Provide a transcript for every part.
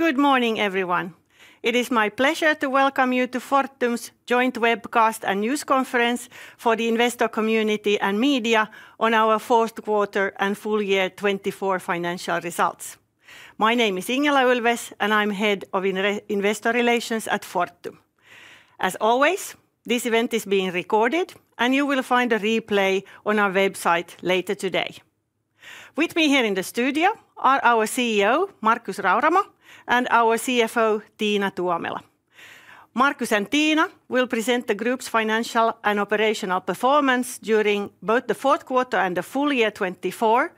Good morning, everyone. It is my pleasure to welcome you to Fortum's joint webcast and news conference for the investor community and media on our fourth quarter and full year 2024 financial results. My name is Ingela Ulfves, and I'm head of investor relations at Fortum. As always, this event is being recorded, and you will find a replay on our website later today. With me here in the studio are our CEO, Markus Rauramo, and our CFO, Tiina Tuomela. Markus and Tiina will present the group's financial and operational performance during both the fourth quarter and the full year 2024,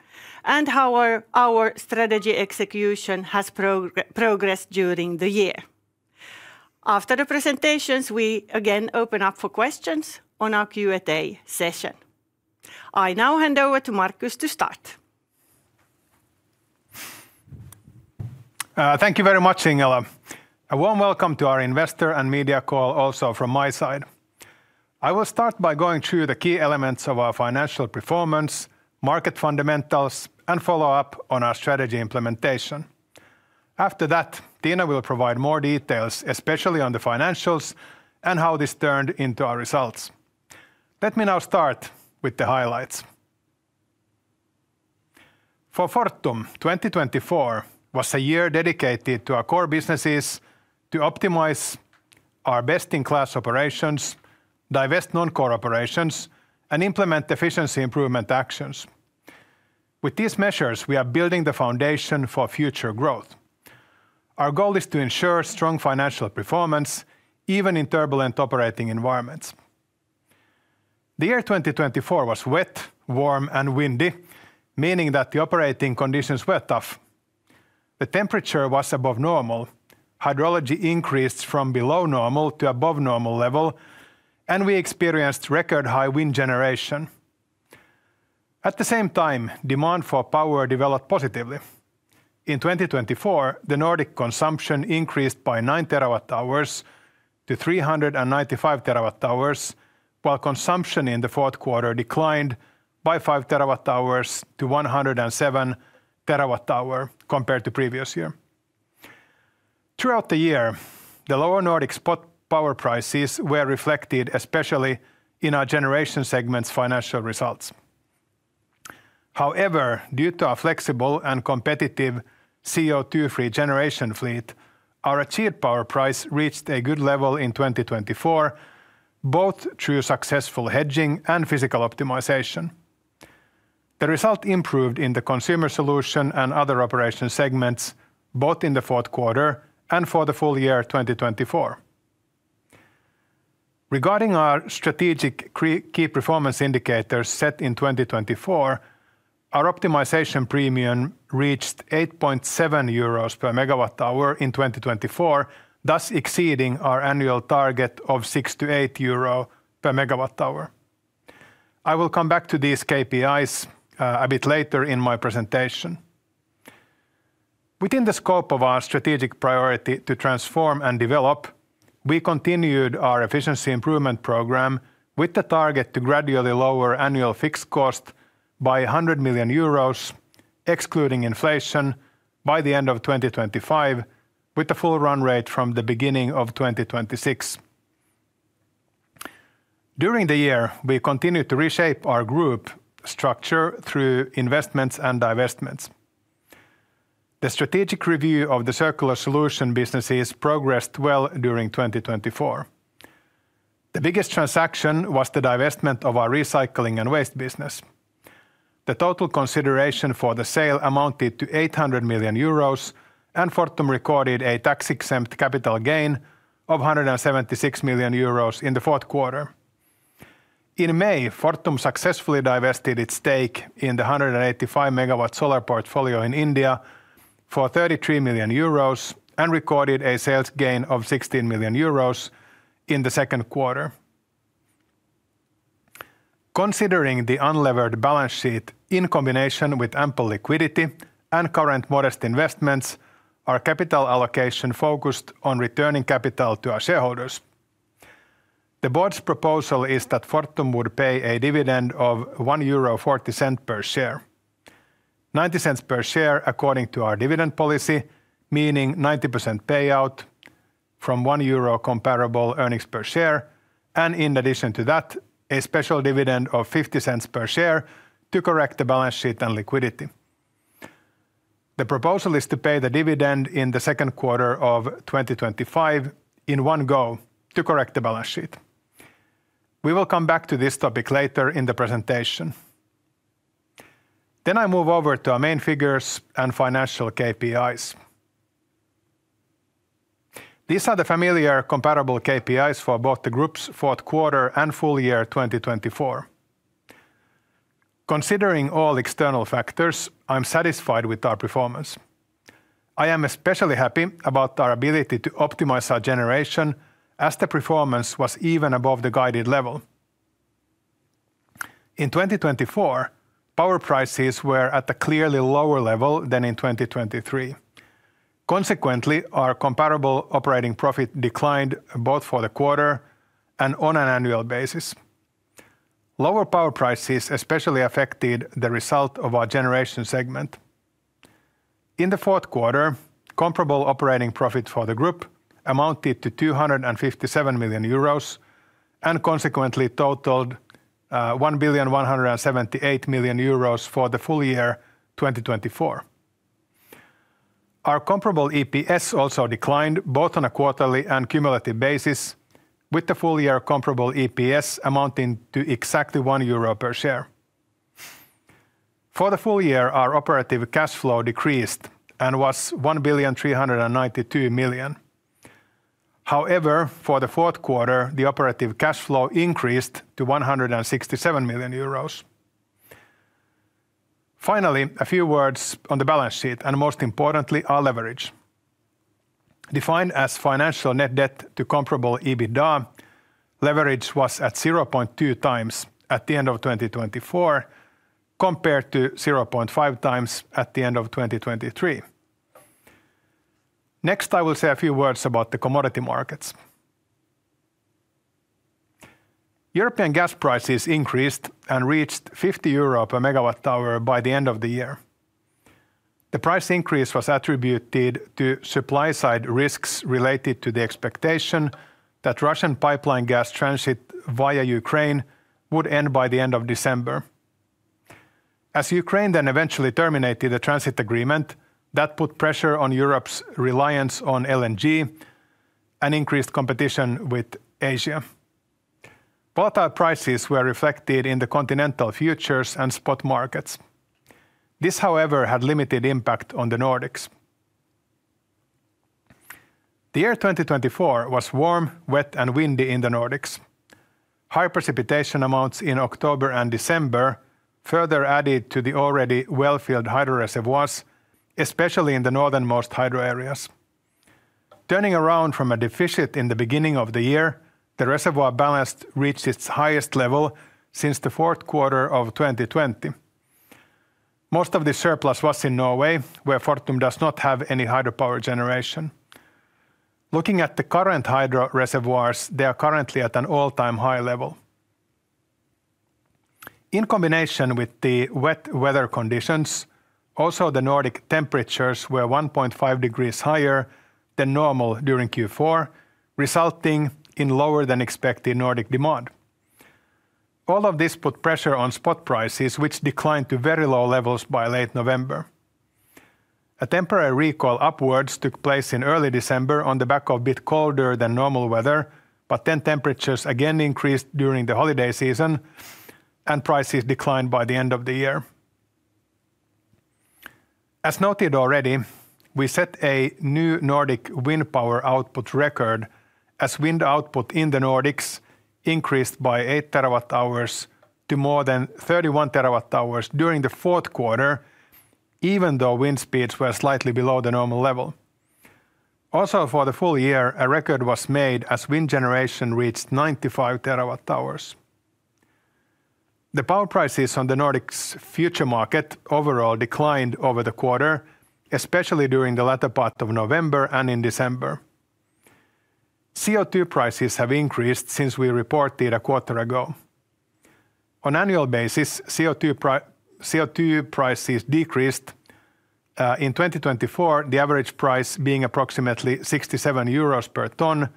and how our strategy execution has progressed during the year. After the presentations, we again open up for questions on our Q&A session. I now hand over to Markus to start. Thank you very much, Ingela. A warm welcome to our investor and media call also from my side. I will start by going through the key elements of our financial performance, market fundamentals, and follow up on our strategy implementation. After that, Tiina will provide more details, especially on the financials and how this turned into our results. Let me now start with the highlights. For Fortum, 2024 was a year dedicated to our core businesses to optimize our best-in-class operations, divest non-core operations, and implement efficiency improvement actions. With these measures, we are building the foundation for future growth. Our goal is to ensure strong financial performance even in turbulent operating environments. The year 2024 was wet, warm, and windy, meaning that the operating conditions were tough. The temperature was above normal, hydrology increased from below normal to above normal level, and we experienced record high wind generation. At the same time, demand for power developed positively. In 2024, the Nordic consumption increased by 9 terawatt hours to 395 terawatt hours, while consumption in the fourth quarter declined by 5 terawatt hours to 107 terawatt hours compared to the previous year. Throughout the year, the lower Nordic spot power prices were reflected especially in our generation segment's financial results. However, due to our flexible and competitive CO2-free generation fleet, our achieved power price reached a good level in 2024, both through successful hedging and physical optimization. The result improved in the consumer solution and other operation segments, both in the fourth quarter and for the full year 2024. Regarding our strategic key performance indicators set in 2024, our optimization premium reached 8.7 euros per megawatt hour in 2024, thus exceeding our annual target of 6-8 euro per megawatt hour. I will come back to these KPIs a bit later in my presentation. Within the scope of our strategic priority to transform and develop, we continued our efficiency improvement program with the target to gradually lower annual fixed cost by 100 million euros, excluding inflation, by the end of 2025, with a full run rate from the beginning of 2026. During the year, we continued to reshape our group structure through investments and divestments. The strategic review of the circular solution businesses progressed well during 2024. The biggest transaction was the divestment of our recycling and waste business. The total consideration for the sale amounted to 800 million euros, and Fortum recorded a tax-exempt capital gain of 176 million euros in the fourth quarter. In May, Fortum successfully divested its stake in the 185 megawatt solar portfolio in India for 33 million euros and recorded a sales gain of 16 million euros in the second quarter. Considering the unlevered balance sheet in combination with ample liquidity and current modest investments, our capital allocation focused on returning capital to our shareholders. The board's proposal is that Fortum would pay a dividend of 1.40 euro per share, 0.90 per share according to our dividend policy, meaning 90% payout from 1 euro comparable earnings per share, and in addition to that, a special dividend of 0.50 per share to correct the balance sheet and liquidity. The proposal is to pay the dividend in the second quarter of 2025 in one go to correct the balance sheet. We will come back to this topic later in the presentation. Then I move over to our main figures and financial KPIs. These are the familiar comparable KPIs for both the group's fourth quarter and full year 2024. Considering all external factors, I'm satisfied with our performance. I am especially happy about our ability to optimize our generation, as the performance was even above the guided level. In 2024, power prices were at a clearly lower level than in 2023. Consequently, our comparable operating profit declined both for the quarter and on an annual basis. Lower power prices especially affected the result of our generation segment. In the fourth quarter, comparable operating profit for the group amounted to 257 million euros and consequently totaled 1.178 billion for the full year 2024. Our comparable EPS also declined both on a quarterly and cumulative basis, with the full year comparable EPS amounting to exactly 1 euro per share. For the full year, our operating cash flow decreased and was 1.392 billion. However, for the fourth quarter, the operating cash flow increased to 167 million euros. Finally, a few words on the balance sheet and most importantly, our leverage. Defined as financial net debt to comparable EBITDA, leverage was at 0.2 times at the end of 2024 compared to 0.5 times at the end of 2023. Next, I will say a few words about the commodity markets. European gas prices increased and reached 50 euro per megawatt hour by the end of the year. The price increase was attributed to supply-side risks related to the expectation that Russian pipeline gas transit via Ukraine would end by the end of December. As Ukraine then eventually terminated the transit agreement, that put pressure on Europe's reliance on LNG and increased competition with Asia. Volatile prices were reflected in the continental futures and spot markets. This, however, had limited impact on the Nordics. The year 2024 was warm, wet, and windy in the Nordics. High precipitation amounts in October and December further added to the already well-filled hydro reservoirs, especially in the northernmost hydro areas. Turning around from a deficit in the beginning of the year, the reservoir balance reached its highest level since the fourth quarter of 2020. Most of the surplus was in Norway, where Fortum does not have any hydropower generation. Looking at the current hydro reservoirs, they are currently at an all-time high level. In combination with the wet weather conditions, also the Nordic temperatures were 1.5 degrees Celsius higher than normal during Q4, resulting in lower than expected Nordic demand. All of this put pressure on spot prices, which declined to very low levels by late November. A temporary rally upwards took place in early December on the back of a bit colder than normal weather, but then temperatures again increased during the holiday season and prices declined by the end of the year. As noted already, we set a new Nordics wind power output record as wind output in the Nordics increased by 8 terawatt hours to more than 31 terawatt hours during the fourth quarter, even though wind speeds were slightly below the normal level. Also, for the full year, a record was made as wind generation reached 95 terawatt hours. The power prices on the Nordics' futures market overall declined over the quarter, especially during the latter part of November and in December. CO2 prices have increased since we reported a quarter ago. On an annual basis, CO2 prices decreased in 2024, the average price being approximately 67 euros per ton,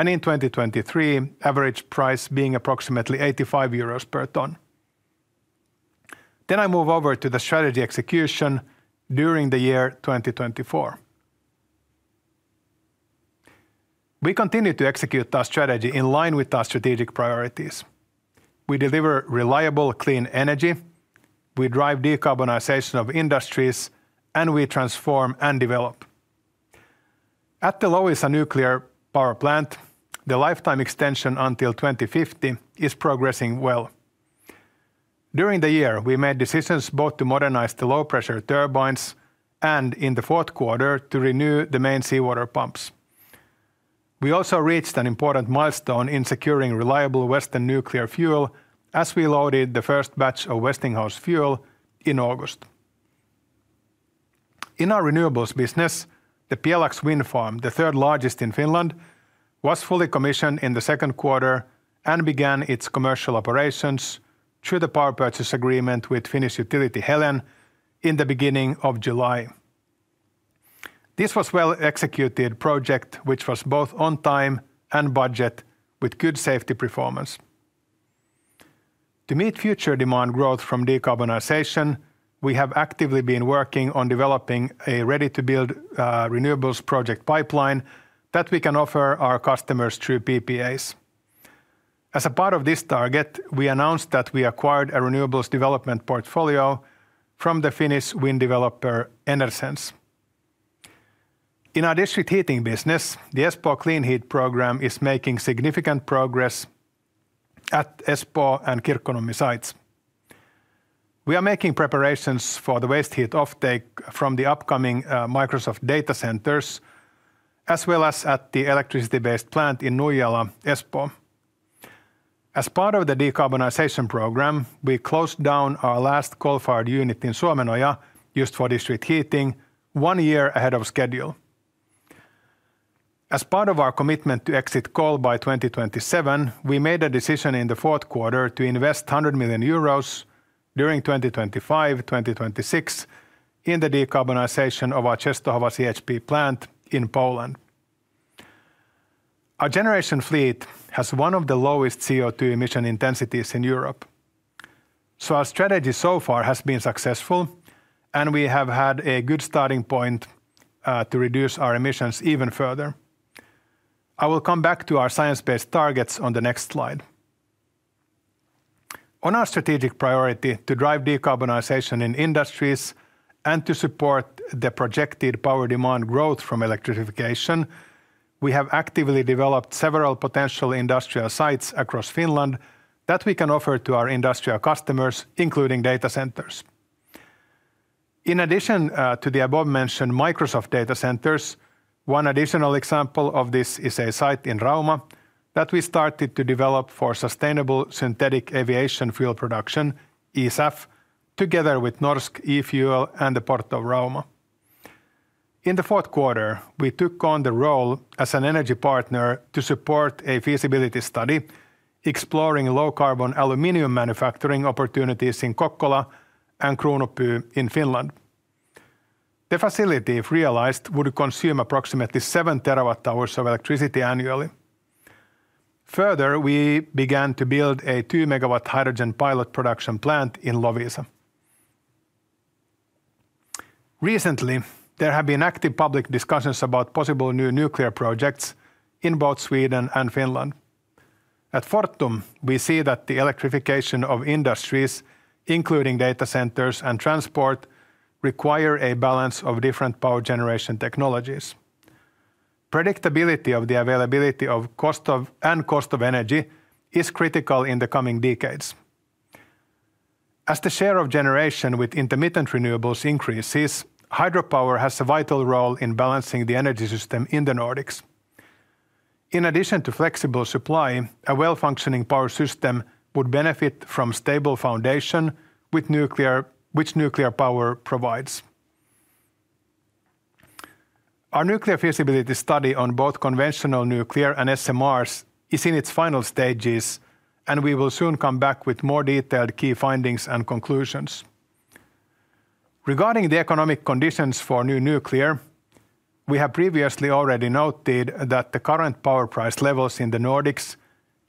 and in 2023, average price being approximately 85 euros per ton. Then I move over to the strategy execution during the year 2024. We continue to execute our strategy in line with our strategic priorities. We deliver reliable, clean energy, we drive decarbonization of industries, and we transform and develop. At the Loviisa Nuclear Power Plant, the lifetime extension until 2050 is progressing well. During the year, we made decisions both to modernize the low-pressure turbines and in the fourth quarter to renew the main seawater pumps. We also reached an important milestone in securing reliable Western nuclear fuel as we loaded the first batch of Westinghouse fuel in August. In our renewables business, the Pjelax wind farm, the third largest in Finland, was fully commissioned in the second quarter and began its commercial operations through the power purchase agreement with Finnish utility Helen in the beginning of July. This was a well-executed project, which was both on time and budget with good safety performance. To meet future demand growth from decarbonization, we have actively been working on developing a ready-to-build renewables project pipeline that we can offer our customers through PPAs. As a part of this target, we announced that we acquired a renewables development portfolio from the Finnish wind developer Enersense. In our district heating business, the Espoo Clean Heat program is making significant progress at Espoo and Kirkkonummi sites. We are making preparations for the waste heat offtake from the upcoming Microsoft data centers, as well as at the electricity-based plant in Nuijala, Espoo. As part of the decarbonization program, we closed down our last coal-fired unit in Suomenoja used for district heating one year ahead of schedule. As part of our commitment to exit coal by 2027, we made a decision in the fourth quarter to invest 100 million euros during 2025-2026 in the decarbonization of our Częstochowa CHP plant in Poland. Our generation fleet has one of the lowest CO2 emission intensities in Europe. So our strategy so far has been successful, and we have had a good starting point to reduce our emissions even further. I will come back to our science-based targets on the next slide. On our strategic priority to drive decarbonization in industries and to support the projected power demand growth from electrification, we have actively developed several potential industrial sites across Finland that we can offer to our industrial customers, including data centers. In addition to the above-mentioned Microsoft data centers, one additional example of this is a site in Rauma that we started to develop for sustainable synthetic aviation fuel production, e-SAF, together with Norsk e-Fuel and the Port of Rauma. In the fourth quarter, we took on the role as an energy partner to support a feasibility study exploring low-carbon aluminum manufacturing opportunities in Kokkola and Kruunupyy in Finland. The facility, if realized, would consume approximately seven terawatt hours of electricity annually. Further, we began to build a two megawatt hydrogen pilot production plant in Loviisa. Recently, there have been active public discussions about possible new nuclear projects in both Sweden and Finland. At Fortum, we see that the electrification of industries, including data centers and transport, requires a balance of different power generation technologies. Predictability of the availability of cost and cost of energy is critical in the coming decades. As the share of generation with intermittent renewables increases, hydropower has a vital role in balancing the energy system in the Nordics. In addition to flexible supply, a well-functioning power system would benefit from a stable foundation with nuclear power provided. Our nuclear feasibility study on both conventional nuclear and SMRs is in its final stages, and we will soon come back with more detailed key findings and conclusions. Regarding the economic conditions for new nuclear, we have previously already noted that the current power price levels in the Nordics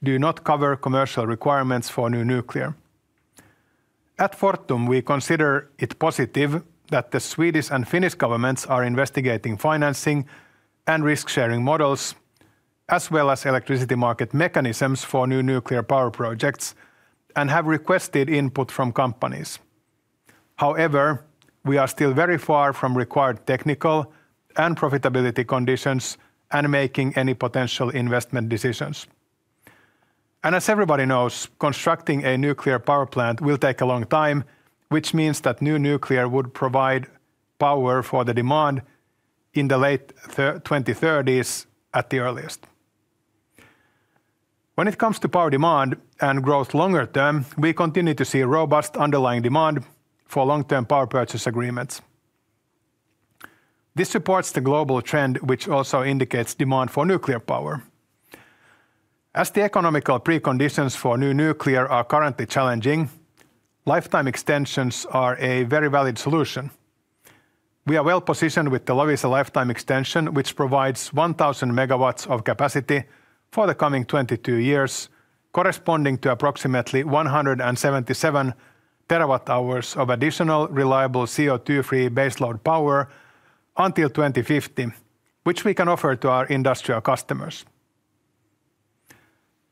do not cover commercial requirements for new nuclear. At Fortum, we consider it positive that the Swedish and Finnish governments are investigating financing and risk-sharing models, as well as electricity market mechanisms for new nuclear power projects, and have requested input from companies. However, we are still very far from required technical and profitability conditions and making any potential investment decisions, and as everybody knows, constructing a nuclear power plant will take a long time, which means that new nuclear would provide power for the demand in the late 2030s at the earliest. When it comes to power demand and growth longer term, we continue to see robust underlying demand for long-term power purchase agreements. This supports the global trend, which also indicates demand for nuclear power. As the economic preconditions for new nuclear are currently challenging, lifetime extensions are a very valid solution. We are well positioned with the Loviisa lifetime extension, which provides 1,000 megawatts of capacity for the coming 22 years, corresponding to approximately 177 terawatt hours of additional reliable CO2-free baseload power until 2050, which we can offer to our industrial customers.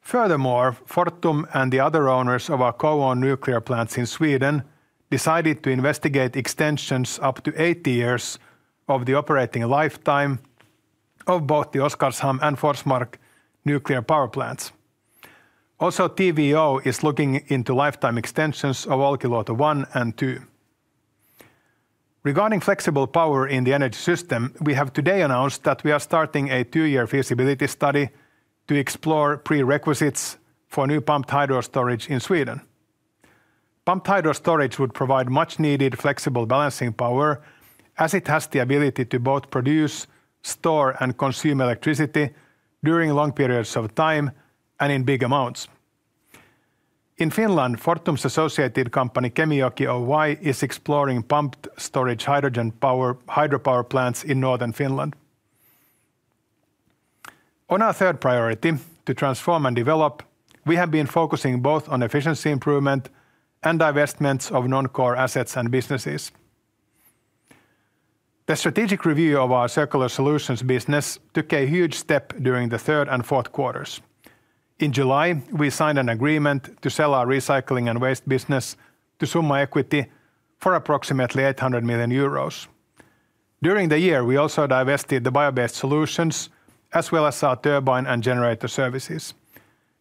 Furthermore, Fortum and the other owners of our co-owned nuclear plants in Sweden decided to investigate extensions up to 80 years of the operating lifetime of both the Oskarshamn and Forsmark nuclear power plants. Also, TVO is looking into lifetime extensions of Olkiluoto 1 and 2. Regarding flexible power in the energy system, we have today announced that we are starting a two-year feasibility study to explore prerequisites for new pumped hydro storage in Sweden. Pumped hydro storage would provide much-needed flexible balancing power, as it has the ability to both produce, store, and consume electricity during long periods of time and in big amounts. In Finland, Fortum's associated company Kemijoki Oy is exploring pumped storage hydro power plants in northern Finland. On our third priority, to transform and develop, we have been focusing both on efficiency improvement and divestments of non-core assets and businesses. The strategic review of our circular solutions business took a huge step during the third and fourth quarters. In July, we signed an agreement to sell our recycling and waste business to Summa Equity for approximately 800 million euros. During the year, we also divested the bio-based solutions, as well as our turbine and generator services.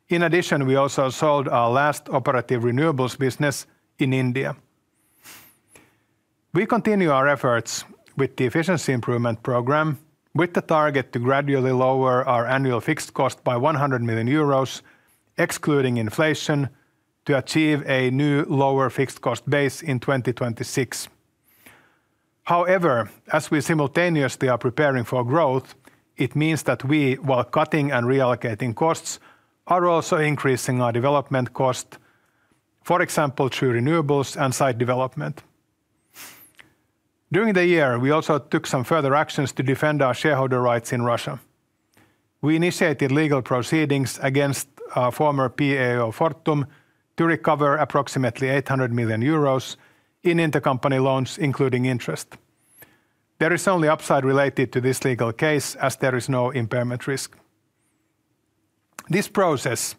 In addition, we also sold our last operative renewables business in India. We continue our efforts with the efficiency improvement program, with the target to gradually lower our annual fixed cost by 100 million euros, excluding inflation, to achieve a new lower fixed cost base in 2026. However, as we simultaneously are preparing for growth, it means that we, while cutting and reallocating costs, are also increasing our development cost, for example, through renewables and site development. During the year, we also took some further actions to defend our shareholder rights in Russia. We initiated legal proceedings against a former PAO of Fortum to recover approximately 800 million euros in intercompany loans, including interest. There is only upside related to this legal case, as there is no impairment risk. This process,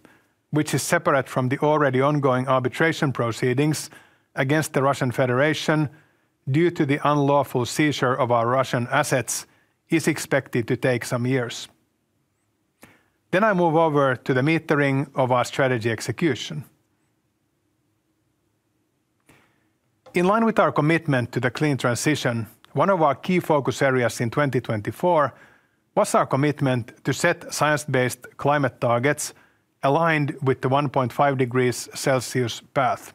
which is separate from the already ongoing arbitration proceedings against the Russian Federation due to the unlawful seizure of our Russian assets, is expected to take some years. Then I move over to the measuring of our strategy execution. In line with our commitment to the clean transition, one of our key focus areas in 2024 was our commitment to set science-based climate targets aligned with the 1.5 degrees Celsius path.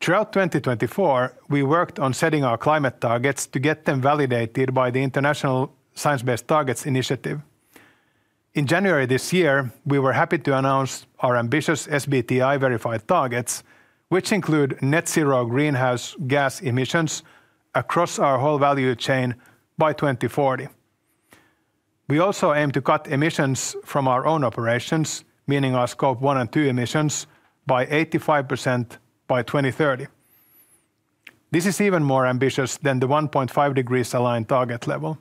Throughout 2024, we worked on setting our climate targets to get them validated by the Science Based Targets initiative. In January this year, we were happy to announce our ambitious SBTi-verified targets, which include net zero greenhouse gas emissions across our whole value chain by 2040. We also aim to cut emissions from our own operations, meaning our Scope 1 and 2 emissions, by 85% by 2030. This is even more ambitious than the 1.5 degrees aligned target level.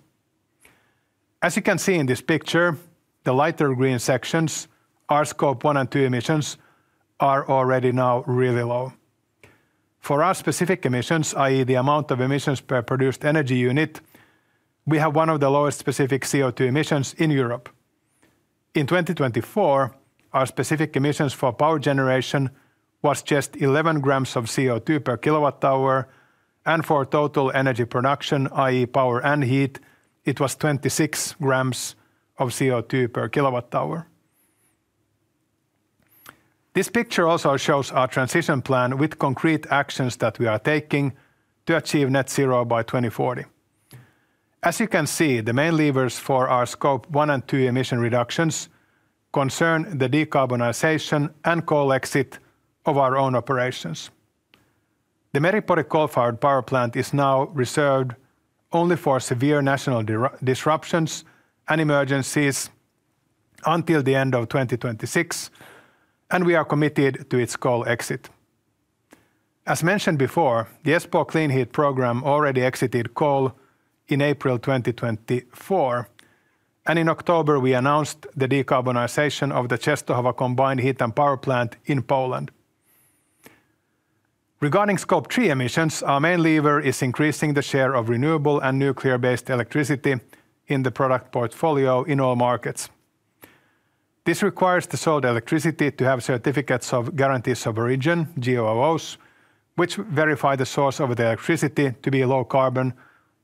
As you can see in this picture, the lighter green sections, our Scope 1 and 2 emissions, are already now really low. For our specific emissions, i.e., the amount of emissions per produced energy unit, we have one of the lowest specific CO2 emissions in Europe. In 2024, our specific emissions for power generation was just 11 grams of CO2 per kilowatt hour, and for total energy production, i.e., power and heat, it was 26 grams of CO2 per kilowatt hour. This picture also shows our transition plan with concrete actions that we are taking to achieve net zero by 2040. As you can see, the main levers for our scope one and two emission reductions concern the decarbonization and coal exit of our own operations. The Meripori coal-fired power plant is now reserved only for severe national disruptions and emergencies until the end of 2026, and we are committed to its coal exit. As mentioned before, the Espoo Clean Heat program already exited coal in April 2024, and in October, we announced the decarbonization of the Częstochowa Combined Heat and Power Plant in Poland. Regarding scope three emissions, our main lever is increasing the share of renewable and nuclear-based electricity in the product portfolio in all markets. This requires the sold electricity to have certificates of guarantees of origin, GOOs, which verify the source of the electricity to be low carbon,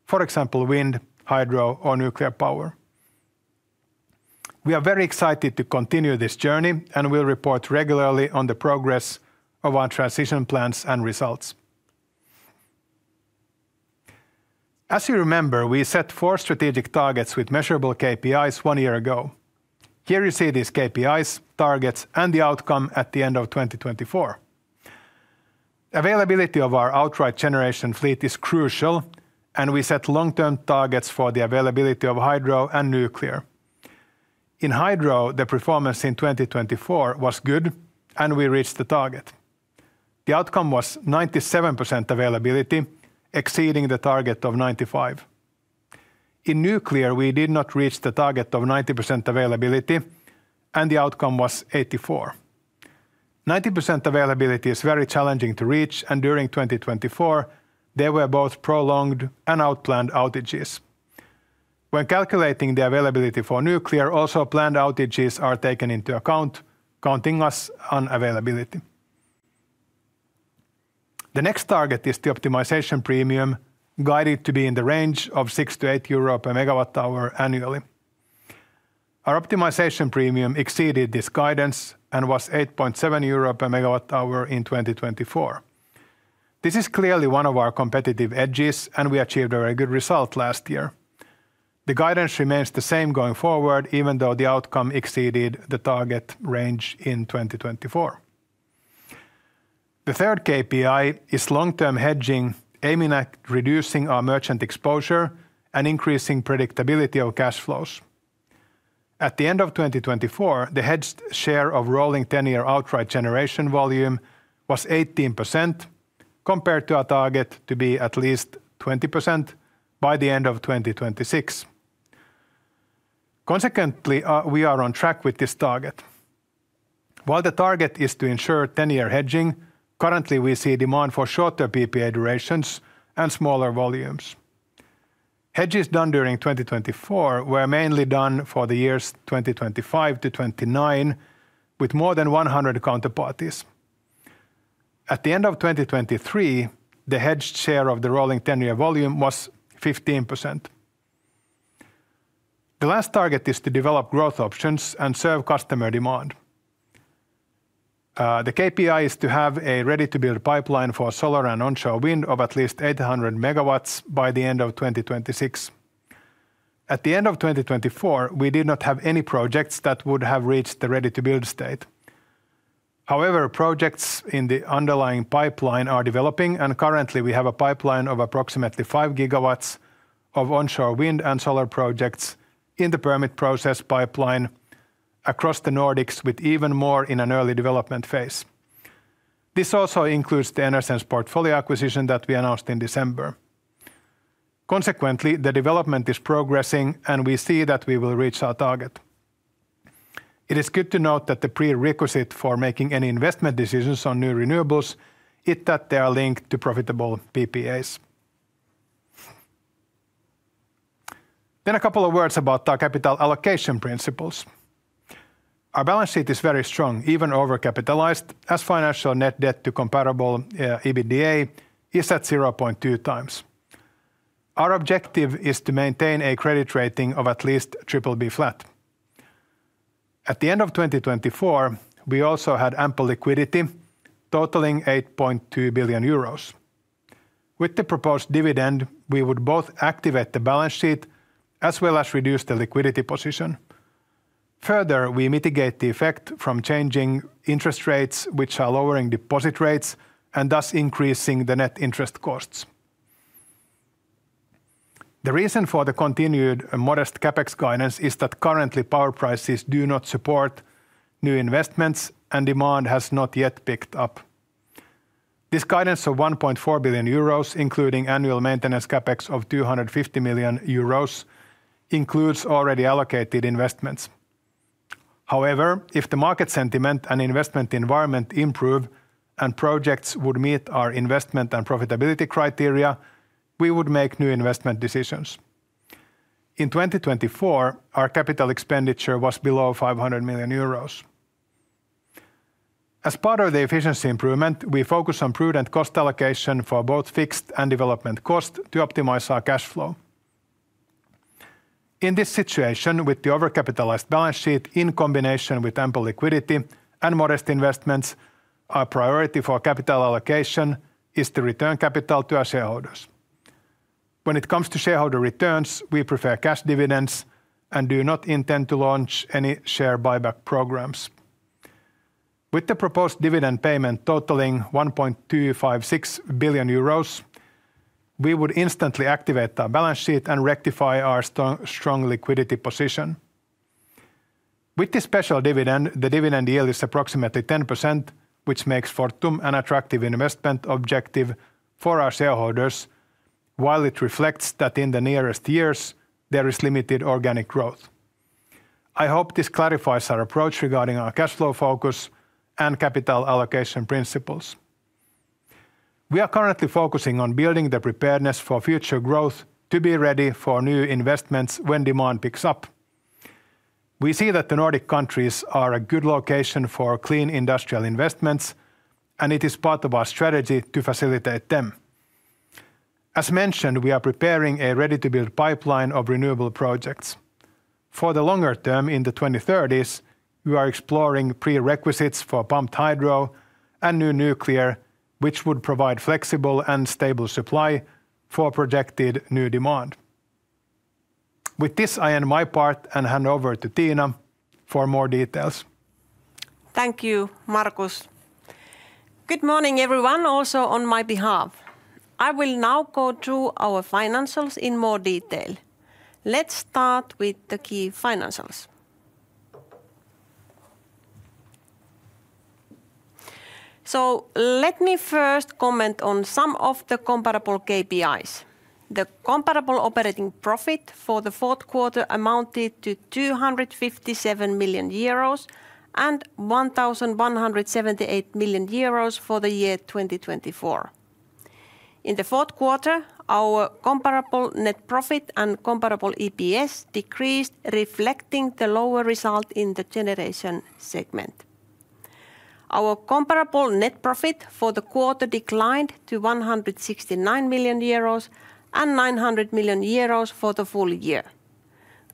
for example, wind, hydro, or nuclear power. We are very excited to continue this journey and will report regularly on the progress of our transition plans and results. As you remember, we set four strategic targets with measurable KPIs one year ago. Here you see these KPIs, targets, and the outcome at the end of 2024. Availability of our hydro generation fleet is crucial, and we set long-term targets for the availability of hydro and nuclear. In hydro, the performance in 2024 was good, and we reached the target. The outcome was 97% availability, exceeding the target of 95%. In nuclear, we did not reach the target of 90% availability, and the outcome was 84%. 90% availability is very challenging to reach, and during 2024, there were both prolonged and unplanned outages. When calculating the availability for nuclear, also planned outages are taken into account, counting against availability. The next target is the optimization premium, guided to be in the range of 6-8 euro per megawatt hour annually. Our optimization premium exceeded this guidance and was 8.7 euro per megawatt hour in 2024. This is clearly one of our competitive edges, and we achieved a very good result last year. The guidance remains the same going forward, even though the outcome exceeded the target range in 2024. The third KPI is long-term hedging, aiming at reducing our merchant exposure and increasing predictability of cash flows. At the end of 2024, the hedged share of rolling ten-year outright generation volume was 18%, compared to our target to be at least 20% by the end of 2026. Consequently, we are on track with this target. While the target is to ensure ten-year hedging, currently we see demand for shorter PPA durations and smaller volumes. Hedges done during 2024 were mainly done for the years 2025 to 2029, with more than 100 counterparties. At the end of 2023, the hedged share of the rolling ten-year volume was 15%. The last target is to develop growth options and serve customer demand. The KPI is to have a ready-to-build pipeline for solar and onshore wind of at least 800 megawatts by the end of 2026. At the end of 2024, we did not have any projects that would have reached the ready-to-build state. However, projects in the underlying pipeline are developing, and currently we have a pipeline of approximately five gigawatts of onshore wind and solar projects in the permit process pipeline across the Nordics, with even more in an early development phase. This also includes the Enersense portfolio acquisition that we announced in December. Consequently, the development is progressing, and we see that we will reach our target. It is good to note that the prerequisite for making any investment decisions on new renewables is that they are linked to profitable PPAs. Then a couple of words about our capital allocation principles. Our balance sheet is very strong, even overcapitalized, as financial net debt to comparable EBITDA is at 0.2 times. Our objective is to maintain a credit rating of at least BBB flat. At the end of 2024, we also had ample liquidity, totaling 8.2 billion euros. With the proposed dividend, we would both activate the balance sheet as well as reduce the liquidity position. Further, we mitigate the effect from changing interest rates, which are lowering deposit rates and thus increasing the net interest costs. The reason for the continued modest CapEx guidance is that currently power prices do not support new investments, and demand has not yet picked up. This guidance of 1.4 billion euros, including annual maintenance CapEx of 250 million euros, includes already allocated investments. However, if the market sentiment and investment environment improve and projects would meet our investment and profitability criteria, we would make new investment decisions. In 2024, our capital expenditure was below 500 million euros. As part of the efficiency improvement, we focus on prudent cost allocation for both fixed and development costs to optimize our cash flow. In this situation, with the overcapitalized balance sheet in combination with ample liquidity and modest investments, our priority for capital allocation is to return capital to our shareholders. When it comes to shareholder returns, we prefer cash dividends and do not intend to launch any share buyback programs. With the proposed dividend payment totaling 1.256 billion euros, we would instantly activate our balance sheet and rectify our strong liquidity position. With this special dividend, the dividend yield is approximately 10%, which makes Fortum an attractive investment objective for our shareholders, while it reflects that in the nearest years, there is limited organic growth. I hope this clarifies our approach regarding our cash flow focus and capital allocation principles. We are currently focusing on building the preparedness for future growth to be ready for new investments when demand picks up. We see that the Nordic countries are a good location for clean industrial investments, and it is part of our strategy to facilitate them. As mentioned, we are preparing a ready-to-build pipeline of renewable projects. For the longer term, in the 2030s, we are exploring prerequisites for pumped hydro and new nuclear, which would provide flexible and stable supply for projected new demand. With this, I end my part and hand over to Tiina for more details. Thank you, Markus. Good morning, everyone, also on my behalf. I will now go through our financials in more detail. Let's start with the key financials. So let me first comment on some of the comparable KPIs. The comparable operating profit for the fourth quarter amounted to 257 million euros and 1,178 million euros for the year 2024. In the fourth quarter, our comparable net profit and comparable EPS decreased, reflecting the lower result in the generation segment. Our comparable net profit for the quarter declined to 169 million euros and 900 million euros for the full year.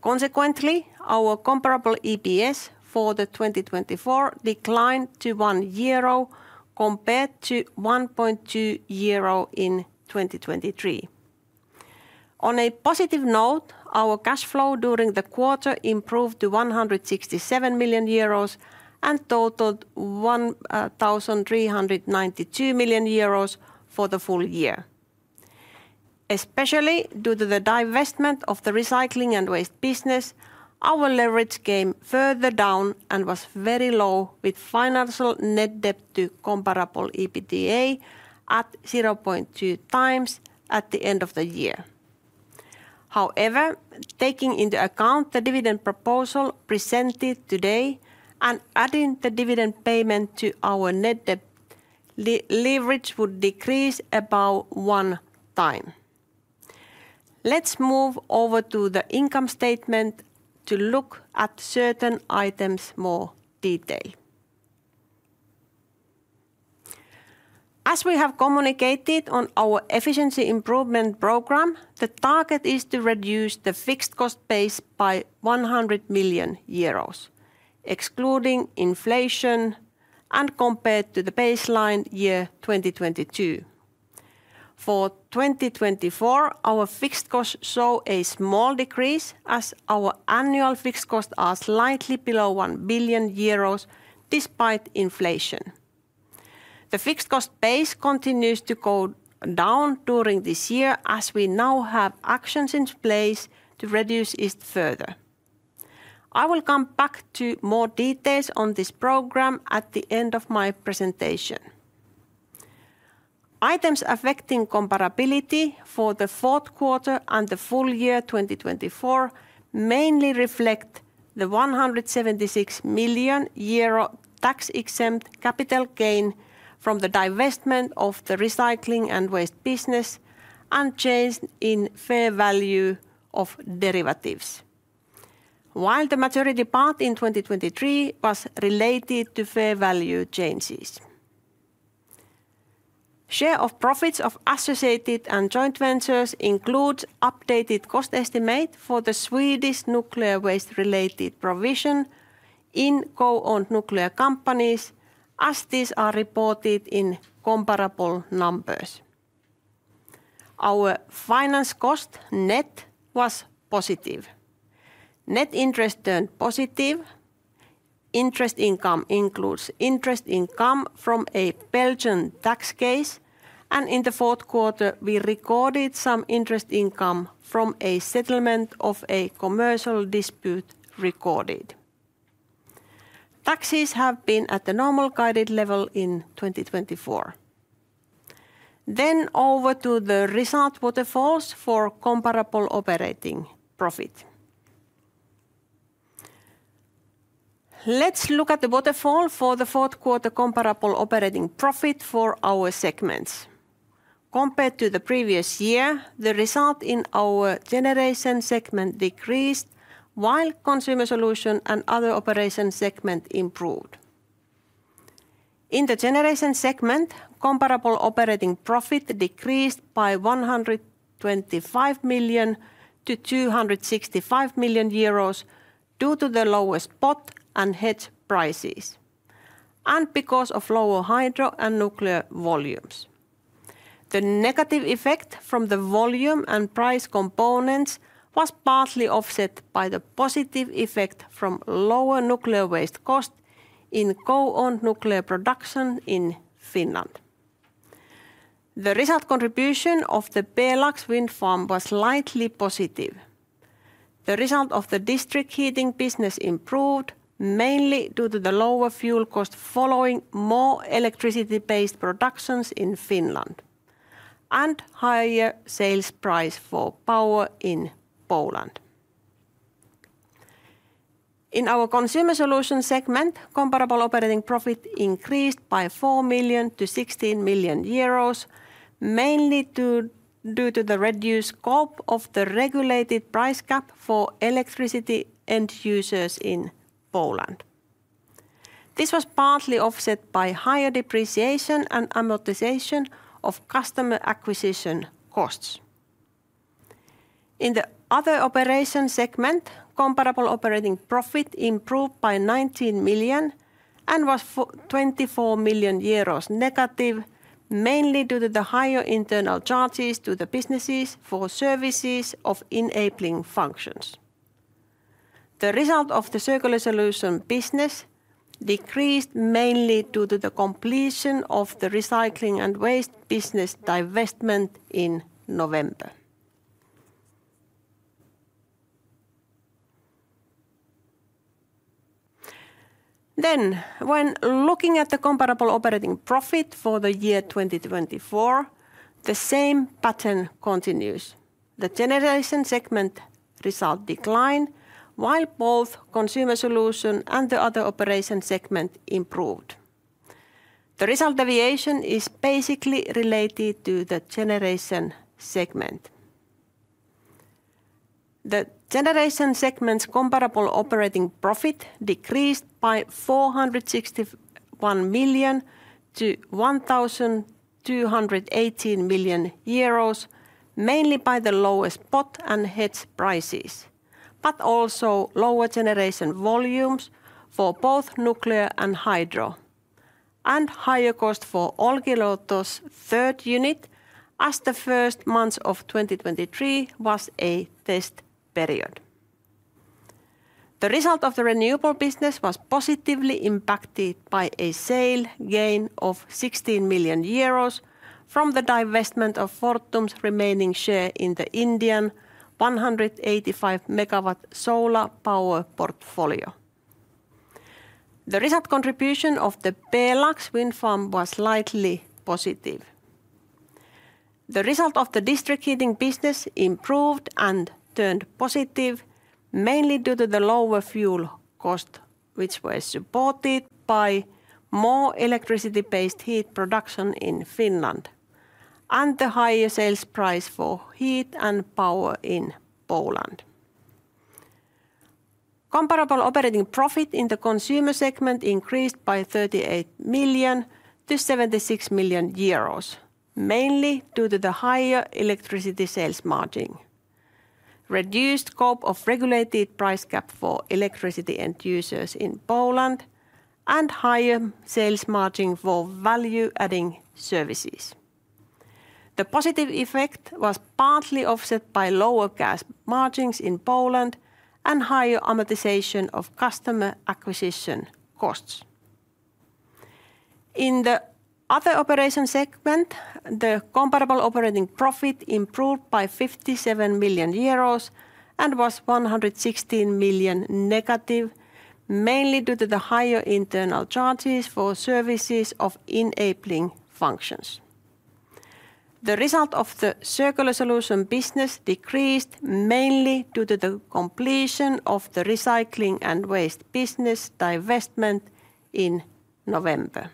Consequently, our comparable EPS for 2024 declined to 1 euro compared to 1.2 euro in 2023. On a positive note, our cash flow during the quarter improved to 167 million euros and totaled 1,392 million euros for the full year. Especially due to the divestment of the recycling and waste business, our leverage came further down and was very low with financial net debt to comparable EBITDA at 0.2 times at the end of the year. However, taking into account the dividend proposal presented today and adding the dividend payment to our net debt, leverage would decrease about one time. Let's move over to the income statement to look at certain items in more detail. As we have communicated on our efficiency improvement program, the target is to reduce the fixed cost base by 100 million euros, excluding inflation, and compared to the baseline year 2022. For 2024, our fixed costs saw a small decrease as our annual fixed costs are slightly below 1 billion euros despite inflation. The fixed cost base continues to go down during this year as we now have actions in place to reduce it further. I will come back to more details on this program at the end of my presentation. Items affecting comparability for the fourth quarter and the full year 2024 mainly reflect the 176 million euro tax-exempt capital gain from the divestment of the recycling and waste business and change in fair value of derivatives, while the majority part in 2023 was related to fair value changes. Share of profits of associated and joint ventures includes updated cost estimate for the Swedish nuclear waste-related provision in co-owned nuclear companies, as these are reported in comparable numbers. Our finance cost net was positive. Net interest turned positive. Interest income includes interest income from a Belgian tax case, and in the fourth quarter, we recorded some interest income from a settlement of a commercial dispute recorded. Taxes have been at the normal guided level in 2024. Then over to the result waterfalls for comparable operating profit. Let's look at the waterfall for the fourth quarter comparable operating profit for our segments. Compared to the previous year, the result in our generation segment decreased, while consumer solutions and other operations segment improved. In the generation segment, comparable operating profit decreased by 125 million to 265 million euros due to the lower spot and hedge prices, and because of lower hydro and nuclear volumes. The negative effect from the volume and price components was partly offset by the positive effect from lower nuclear waste cost in co-owned nuclear production in Finland. The result contribution of the Pjelax wind farm was slightly positive. The result of the district heating business improved mainly due to the lower fuel cost following more electricity-based productions in Finland and higher sales price for power in Poland. In our consumer solution segment, comparable operating profit increased by four million to 16 million euros, mainly due to the reduced scope of the regulated price cap for electricity end users in Poland. This was partly offset by higher depreciation and amortization of customer acquisition costs. In the other operation segment, comparable operating profit improved by 19 million and was 24 million euros negative, mainly due to the higher internal charges to the businesses for services of enabling functions. The result of the circular solution business decreased mainly due to the completion of the recycling and waste business divestment in November. Then, when looking at the comparable operating profit for the year 2024, the same pattern continues. The generation segment result declined, while both consumer solution and the other operation segment improved. The result deviation is basically related to the generation segment. The generation segment's comparable operating profit decreased by 461 million to 1,218 million euros, mainly by the lower spot and hedge prices, but also lower generation volumes for both nuclear and hydro, and higher cost for Olkiluoto's third unit as the first months of 2023 was a test period. The result of the renewable business was positively impacted by a sale gain of 16 million euros from the divestment of Fortum's remaining share in the Indian 185 megawatt solar power portfolio. The result contribution of the Pjelax wind farm was slightly positive. The result of the district heating business improved and turned positive, mainly due to the lower fuel cost, which was supported by more electricity-based heat production in Finland, and the higher sales price for heat and power in Poland. Comparable operating profit in the consumer segment increased by 38 million to 76 million euros, mainly due to the higher electricity sales margin, reduced scope of regulated price cap for electricity end users in Poland, and higher sales margin for value-adding services. The positive effect was partly offset by lower gas margins in Poland and higher amortization of customer acquisition costs. In the other operation segment, the comparable operating profit improved by 57 million euros and was 116 million negative, mainly due to the higher internal charges for services of enabling functions. The result of the circular solution business decreased mainly due to the completion of the recycling and waste business divestment in November.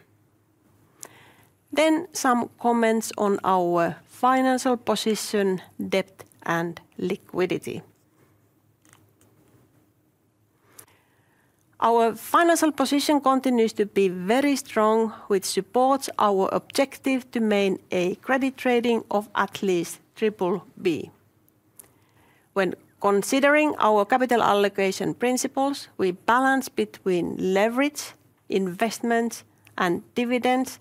Then some comments on our financial position, debt, and liquidity. Our financial position continues to be very strong, which supports our objective to maintain a credit rating of at least triple B. When considering our capital allocation principles, we balance between leverage, investments, and dividends,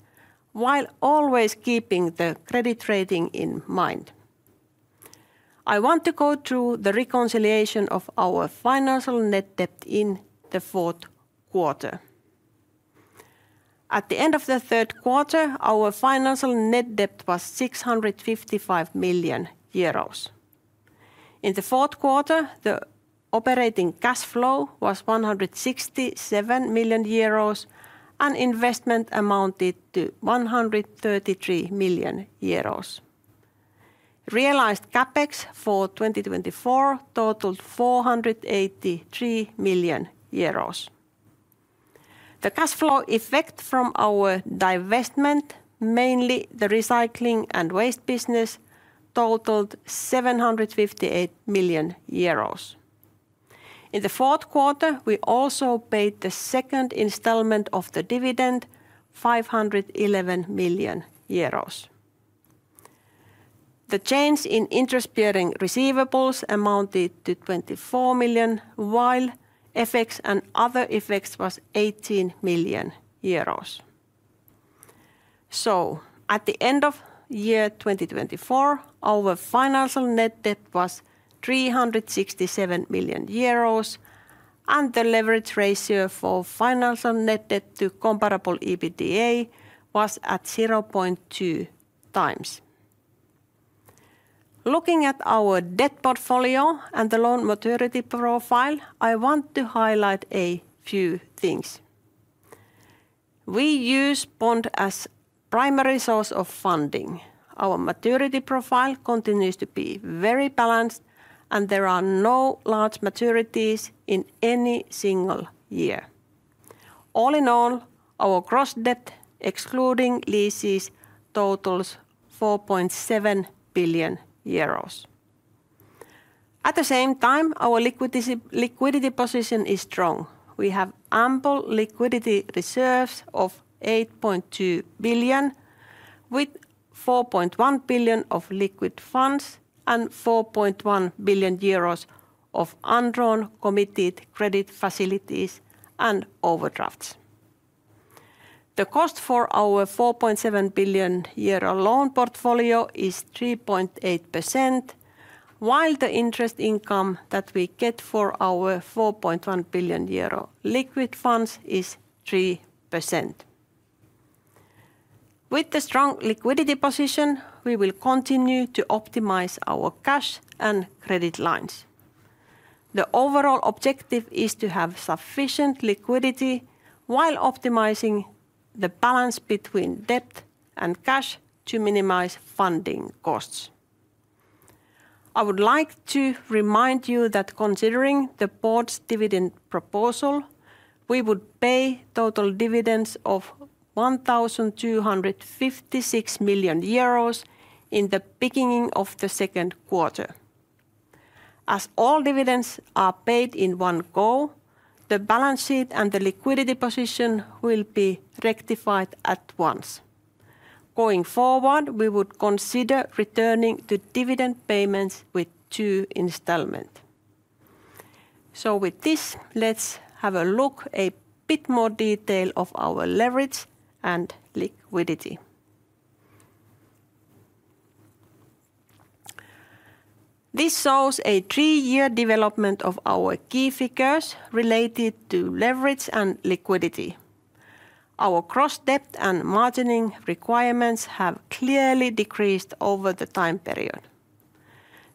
while always keeping the credit rating in mind. I want to go through the reconciliation of our financial net debt in the fourth quarter. At the end of the third quarter, our financial net debt was EUR. 655 million. In the fourth quarter, the operating cash flow was 167 million euros, and investment amounted to 133 million euros. Realized CapEx for 2024 totaled 483 million euros . The cash flow effect from our divestment, mainly the recycling and waste business, totaled 758 million euros. In the fourth quarter, we also paid the second installment of the dividend, 511 million euros. The change in interest-bearing receivables amounted to 24 million, while FX and other effects was 18 million euros. At the end of 2024, our financial net debt was 367 million euros, and the leverage ratio of financial net debt to comparable EBITDA was at 0.2 times. Looking at our debt portfolio and the loan maturity profile, I want to highlight a few things. We use bonds as a primary source of funding. Our maturity profile continues to be very balanced, and there are no large maturities in any single year. All in all, our gross debt, excluding leases, totals 4.7 billion euros. At the same time, our liquidity position is strong. We have ample liquidity reserves of 8.2 billion, with 4.1 billion of liquid funds and 4.1 billion euros of undrawn committed credit facilities and overdrafts. The cost for our 4.7 billion euro loan portfolio is 3.8%, while the interest income that we get for our 4.1 billion euro liquid funds is 3%. With the strong liquidity position, we will continue to optimize our cash and credit lines. The overall objective is to have sufficient liquidity while optimizing the balance between debt and cash to minimize funding costs. I would like to remind you that considering the board's dividend proposal, we would pay total dividends of 1,256 million euros in the beginning of the second quarter. As all dividends are paid in one go, the balance sheet and the liquidity position will be rectified at once. Going forward, we would consider returning to dividend payments with two installments. So, with this, let's have a look at a bit more detail of our leverage and liquidity. This shows a three-year development of our key figures related to leverage and liquidity. Our gross debt and margining requirements have clearly decreased over the time period.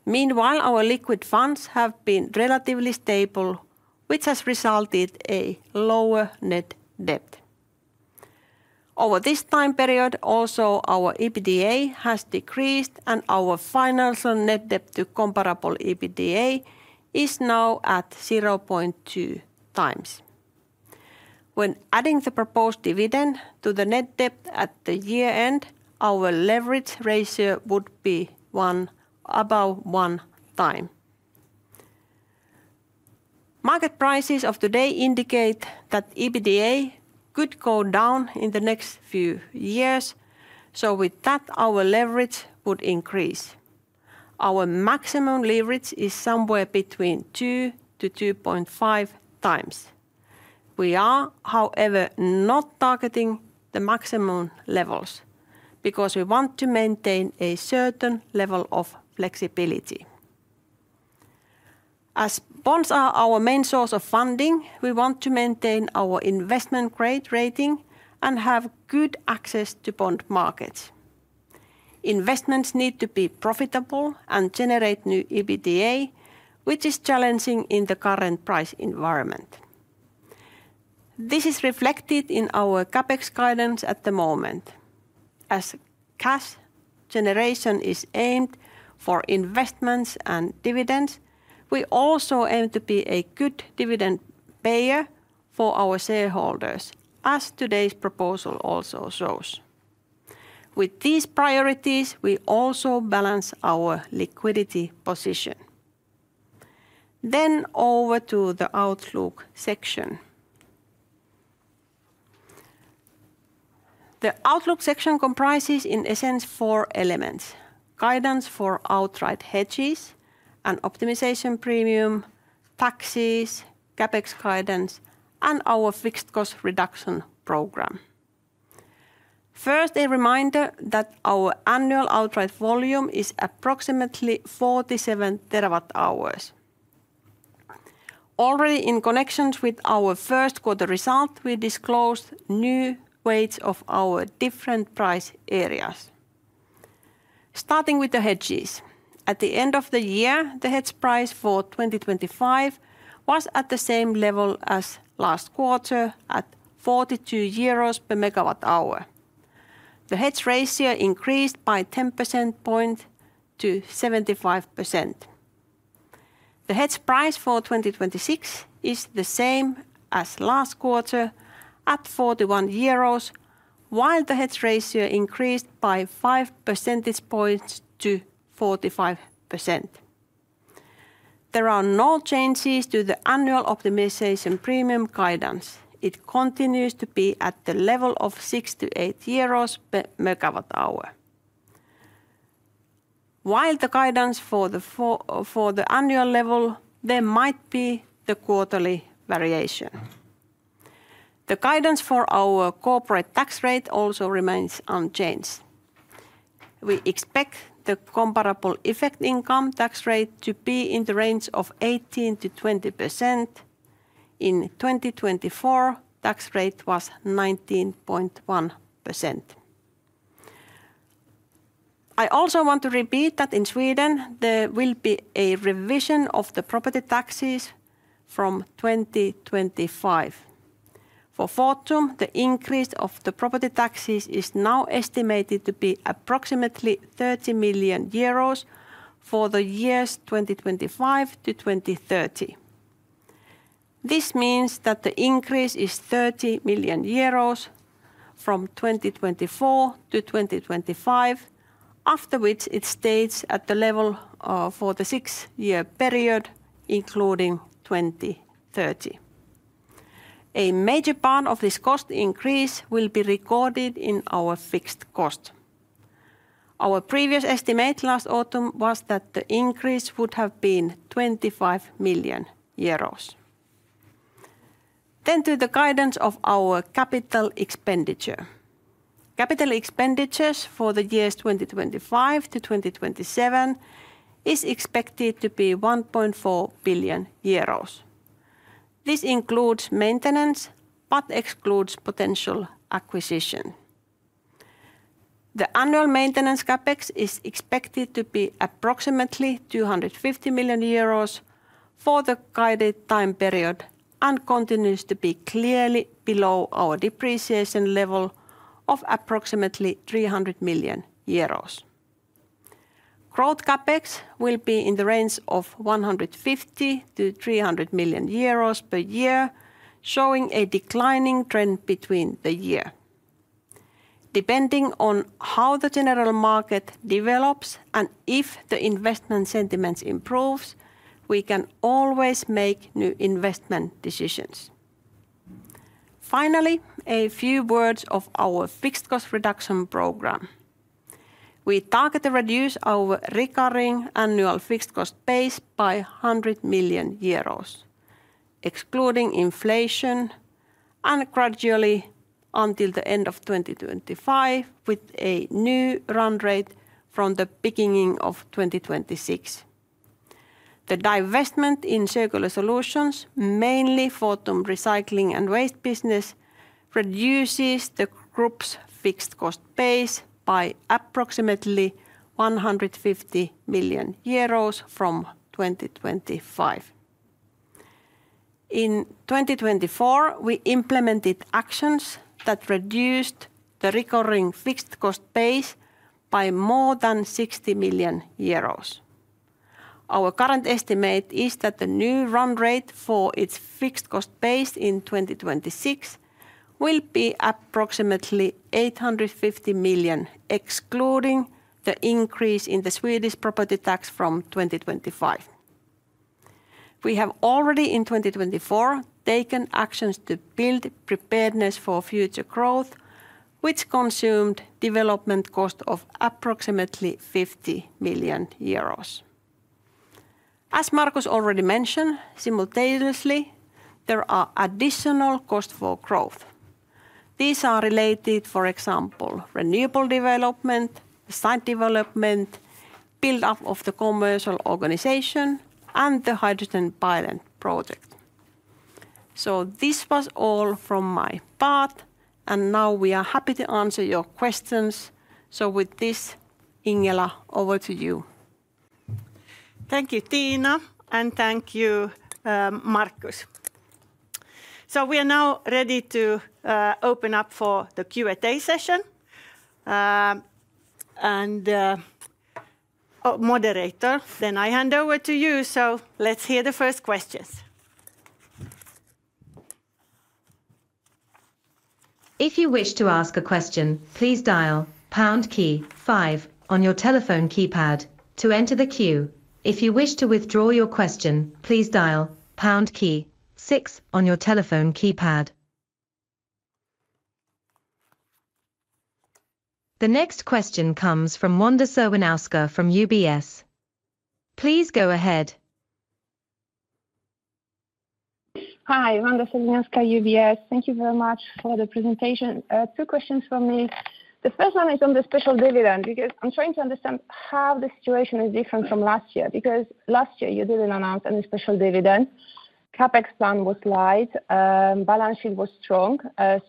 Meanwhile, our liquid funds have been relatively stable, which has resulted in a lower net debt. Over this time period, also our EBITDA has decreased, and our financial net debt to comparable EBITDA is now at 0.2 times. When adding the proposed dividend to the net debt at the year end, our leverage ratio would be above one time. Market prices of today indicate that EBITDA could go down in the next few years, so with that, our leverage would increase. Our maximum leverage is somewhere between 2-2.5 times. We are, however, not targeting the maximum levels because we want to maintain a certain level of flexibility. As bonds are our main source of funding, we want to maintain our investment grade rating and have good access to bond markets. Investments need to be profitable and generate new EBITDA, which is challenging in the current price environment. This is reflected in our CapEx guidance at the moment. As cash generation is aimed for investments and dividends, we also aim to be a good dividend payer for our shareholders, as today's proposal also shows. With these priorities, we also balance our liquidity position. Then over to the outlook section. The outlook section comprises, in essence, four elements: guidance for outright hedges, an optimization premium, taxes, CapEx guidance, and our fixed cost reduction program. First, a reminder that our annual outright volume is approximately 47 terawatt-hours. Already in connection with our first quarter result, we disclosed new weights of our different price areas. Starting with the hedges, at the end of the year, the hedge price for 2025 was at the same level as last quarter at 42 euros per megawatt-hour. The hedge ratio increased by 10 percentage points to 75%. The hedge price for 2026 is the same as last quarter at 41 euros, while the hedge ratio increased by 5 percentage points to 45%. There are no changes to the annual optimization premium guidance. It continues to be at the level of 6-8 euros per megawatt-hour. While the guidance for the annual level, there might be the quarterly variation. The guidance for our corporate tax rate also remains unchanged. We expect the comparable effective income tax rate to be in the range of 18%-20%. In 2024, the tax rate was 19.1%. I also want to repeat that in Sweden, there will be a revision of the property taxes from 2025. For Fortum, the increase of the property taxes is now estimated to be approximately 30 million euros for the years 2025 to 2030. This means that the increase is 30 million euros from 2024 to 2025, after which it stays at the level for the six-year period, including 2030. A major part of this cost increase will be recorded in our fixed cost. Our previous estimate last autumn was that the increase would have been 25 million euros. Then to the guidance of our capital expenditure. Capital expenditures for the years 2025 to 2027 are expected to be 1.4 billion euros. This includes maintenance but excludes potential acquisition. The annual maintenance CapEx is expected to be approximately 250 million euros for the guided time period and continues to be clearly below our depreciation level of approximately 300 million euros. Growth CapEx will be in the range of 150-300 million euros per year, showing a declining trend between the years. Depending on how the general market develops and if the investment sentiment improves, we can always make new investment decisions. Finally, a few words about our fixed cost reduction program. We target to reduce our recurring annual fixed cost base by 100 million euros, excluding inflation, and gradually until the end of 2025, with a new run rate from the beginning of 2026. The divestment in circular solutions, mainly Fortum recycling and waste business, reduces the group's fixed cost base by approximately 150 million euros from 2025. In 2024, we implemented actions that reduced the recurring fixed cost base by more than 60 million euros. Our current estimate is that the new run rate for its fixed cost base in 2026 will be approximately 850 million, excluding the increase in the Swedish property tax from 2025. We have already in 2024 taken actions to build preparedness for future growth, which consumed development cost of approximately 50 million euros. As Markus already mentioned, simultaneously, there are additional costs for growth. These are related, for example, to renewable development, site development, build-up of the commercial organization, and the hydrogen pilot project, so this was all from my part, and now we are happy to answer your questions, so with this, Ingela, over to you. Thank you, Tiina, and thank you, Markus, so we are now ready to open up for the Q&A session, and moderator, then I hand over to you, so let's hear the first questions. If you wish to ask a question, please dial #5 on your telephone keypad to enter the queue. If you wish to withdraw your question, please dial #6 on your telephone keypad. The next question comes from Wanda Serwinowska from UBS. Please go ahead. Hi, Wanda Serwinowska, UBS. Thank you very much for the presentation. Two questions for me. The first one is on the special dividend because I'm trying to understand how the situation is different from last year, because last year, you didn't announce any special dividend. CapEx plan was light. Balance sheet was strong.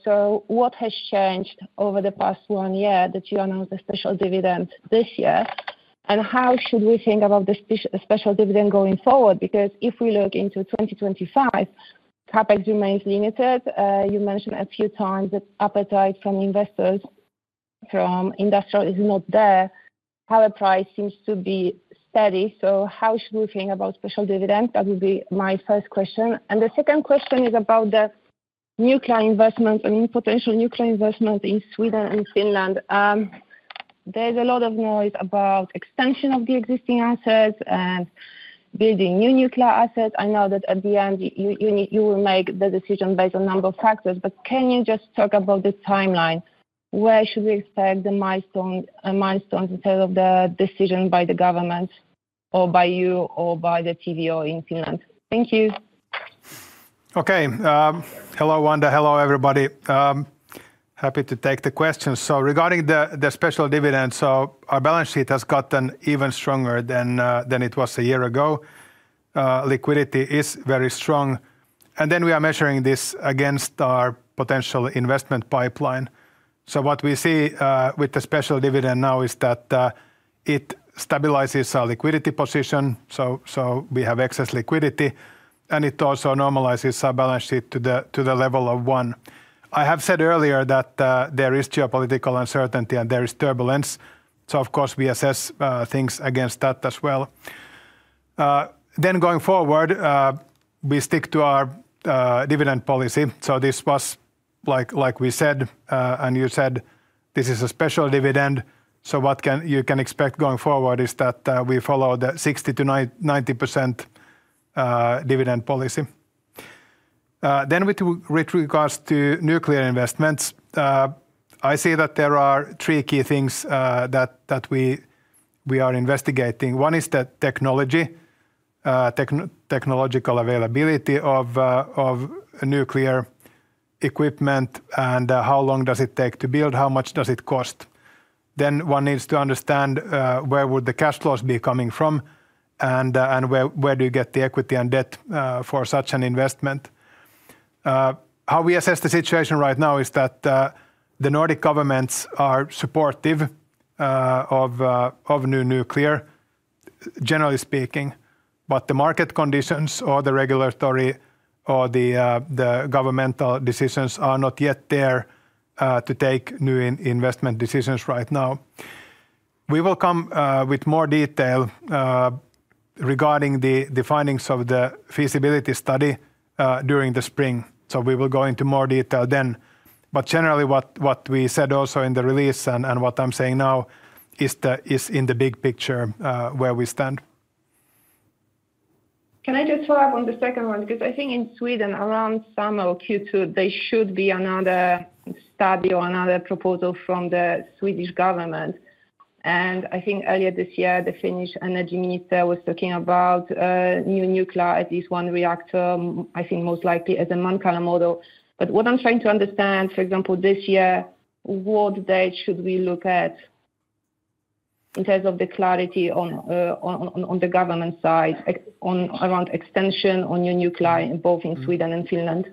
So what has changed over the past one year that you announced a special dividend this year? And how should we think about the special dividend going forward? Because if we look into 2025, CapEx remains limited, you mentioned a few times that appetite from investors, from industrial, is not there, power price seems to be steady. So how should we think about special dividend? That would be my first question. And the second question is about the nuclear investment and potential nuclear investment in Sweden and Finland. There's a lot of noise about extension of the existing assets and building new nuclear assets. I know that at the end, you will make the decision based on a number of factors. But can you just talk about the timeline? Where should we expect the milestones in terms of the decision by the government or by you or by the TVO in Finland? Thank you. Okay. Hello, Wanda. Hello, everybody. Happy to take the questions. Regarding the special dividend, our balance sheet has gotten even stronger than it was a year ago. Liquidity is very strong. And then we are measuring this against our potential investment pipeline. What we see with the special dividend now is that it stabilizes our liquidity position. So we have excess liquidity. And it also normalizes our balance sheet to the level of one. I have said earlier that there is geopolitical uncertainty and there is turbulence. So, of course, we assess things against that as well. Then going forward, we stick to our dividend policy. So this was, like we said, and you said, this is a special dividend. So what you can expect going forward is that we follow the 60%-90% dividend policy. Then with regards to nuclear investments, I see that there are three key things that we are investigating. One is the technological availability of nuclear equipment and how long does it take to build, how much does it cost. Then one needs to understand where would the cash flows be coming from and where do you get the equity and debt for such an investment. How we assess the situation right now is that the Nordic governments are supportive of new nuclear, generally speaking, but the market conditions or the regulatory or the governmental decisions are not yet there to take new investment decisions right now. We will come with more detail regarding the findings of the feasibility study during the spring, so we will go into more detail then, but generally, what we said also in the release and what I'm saying now is in the big picture where we stand. Can I just follow up on the second one? Because I think in Sweden, around summer Q2, there should be another study or another proposal from the Swedish government, and I think earlier this year, the Finnish energy minister was talking about new nuclear, at least one reactor, I think most likely as a Mankala model. But what I'm trying to understand, for example, this year, what date should we look at in terms of the clarity on the government side around extension on new nuclear involving Sweden and Finland?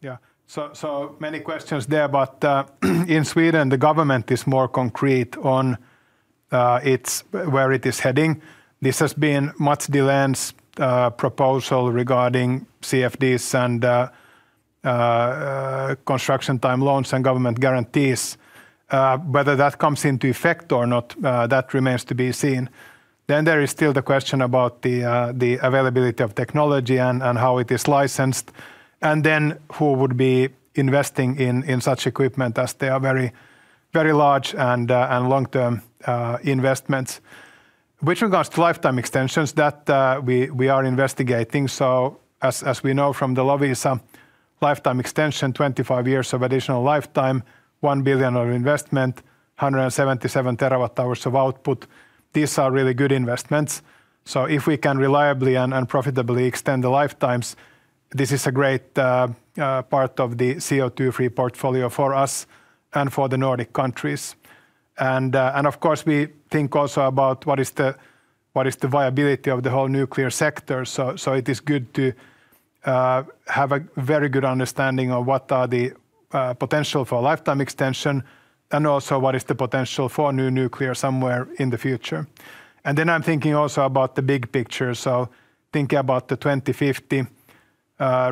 Yeah. So many questions there, but in Sweden, the government is more concrete on where it is heading. This has been much delayed proposal regarding CFDs and construction time loans and government guarantees. Whether that comes into effect or not, that remains to be seen. Then there is still the question about the availability of technology and how it is licensed. And then who would be investing in such equipment as they are very large and long-term investments. With regards to lifetime extensions, that we are investigating. So as we know from the Loviisa, lifetime extension, 25 years of additional lifetime, 1 billion of investment, 177 TWh of output. These are really good investments. So if we can reliably and profitably extend the lifetimes, this is a great part of the CO2-free portfolio for us and for the Nordic countries. And of course, we think also about what is the viability of the whole nuclear sector. So it is good to have a very good understanding of what are the potential for lifetime extension and also what is the potential for new nuclear somewhere in the future. And then I'm thinking also about the big picture. So thinking about the 2050,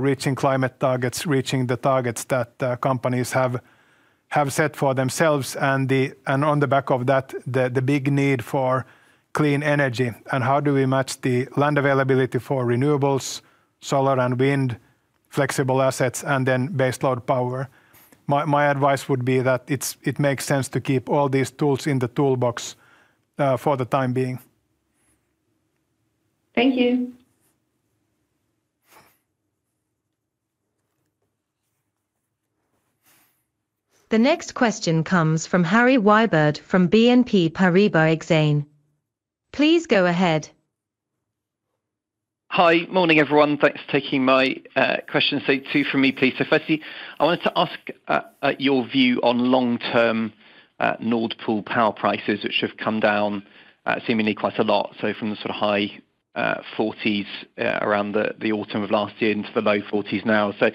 reaching climate targets, reaching the targets that companies have set for themselves. And on the back of that, the big need for clean energy and how do we match the land availability for renewables, solar and wind, flexible assets, and then baseload power. My advice would be that it makes sense to keep all these tools in the toolbox for the time being. Thank you. The next question comes from Harry Wyburd from BNP Paribas Exane. Please go ahead. Hi, morning everyone. Thanks for taking my question. So two for me, please. So firstly, I wanted to ask your view on long-term Nord Pool power prices, which have come down seemingly quite a lot. So from the sort of high 40s around the autumn of last year into the low 40s now. So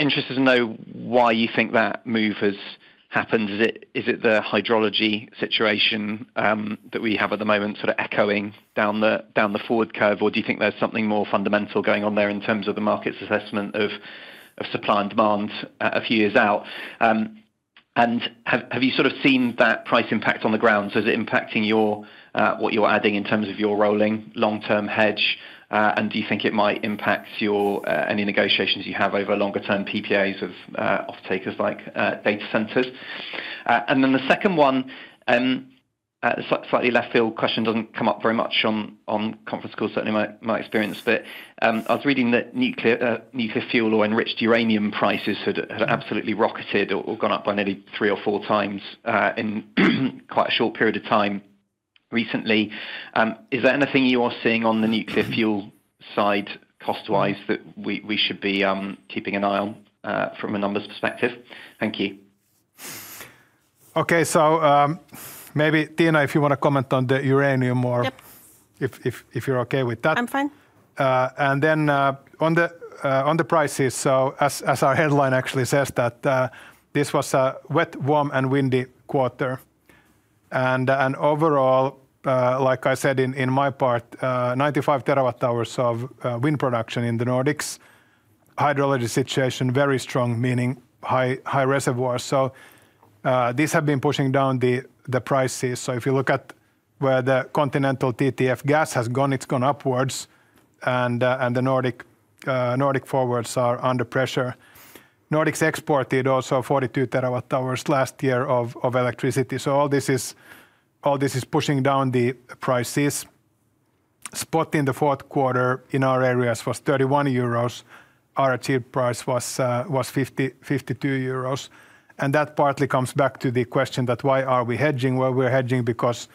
interested to know why you think that move has happened. Is it the hydrology situation that we have at the moment sort of echoing down the forward curve, or do you think there's something more fundamental going on there in terms of the market's assessment of supply and demand a few years out? And have you sort of seen that price impact on the ground? So is it impacting what you're adding in terms of your rolling long-term hedge, and do you think it might impact any negotiations you have over longer-term PPAs of off-takers like data centers? And then the second one, a slightly left-field question that doesn't come up very much on conference calls, certainly my experience, but I was reading that nuclear fuel or enriched uranium prices had absolutely rocketed or gone up by nearly three or four times in quite a short period of time recently. Is there anything you are seeing on the nuclear fuel side cost-wise that we should be keeping an eye on from a numbers perspective? Thank you. Okay, so maybe Tiina, if you want to comment on the uranium more, if you're okay with that. I'm fine. And then on the prices, so as our headline actually says that this was a wet, warm, and windy quarter. Overall, like I said in my part, 95 terawatt-hours of wind production in the Nordics, hydrology situation very strong, meaning high reservoirs. These have been pushing down the prices. If you look at where the continental TTF gas has gone, it's gone upwards. The Nordic forwards are under pressure. Nordics exported also 42 terawatt-hours last year of electricity. All this is pushing down the prices. Spot in the fourth quarter in our areas was 31 euros. Our achieved price was 52 euros. That partly comes back to the question that why are we hedging? We're hedging because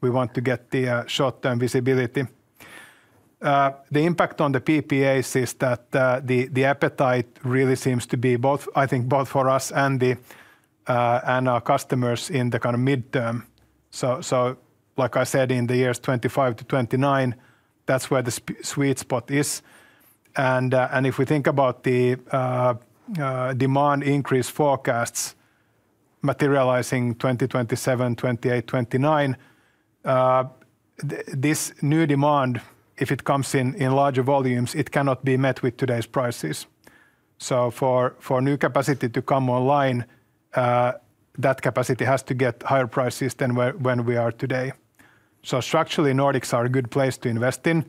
we want to get the short-term visibility. The impact on the PPAs is that the appetite really seems to be both, I think both for us and our customers in the kind of midterm. So like I said, in the years 2025 to 2029, that's where the sweet spot is. And if we think about the demand increase forecasts materializing 2027, 2028, 2029, this new demand, if it comes in larger volumes, it cannot be met with today's prices. So for new capacity to come online, that capacity has to get higher prices than when we are today. So structurally, Nordics are a good place to invest in.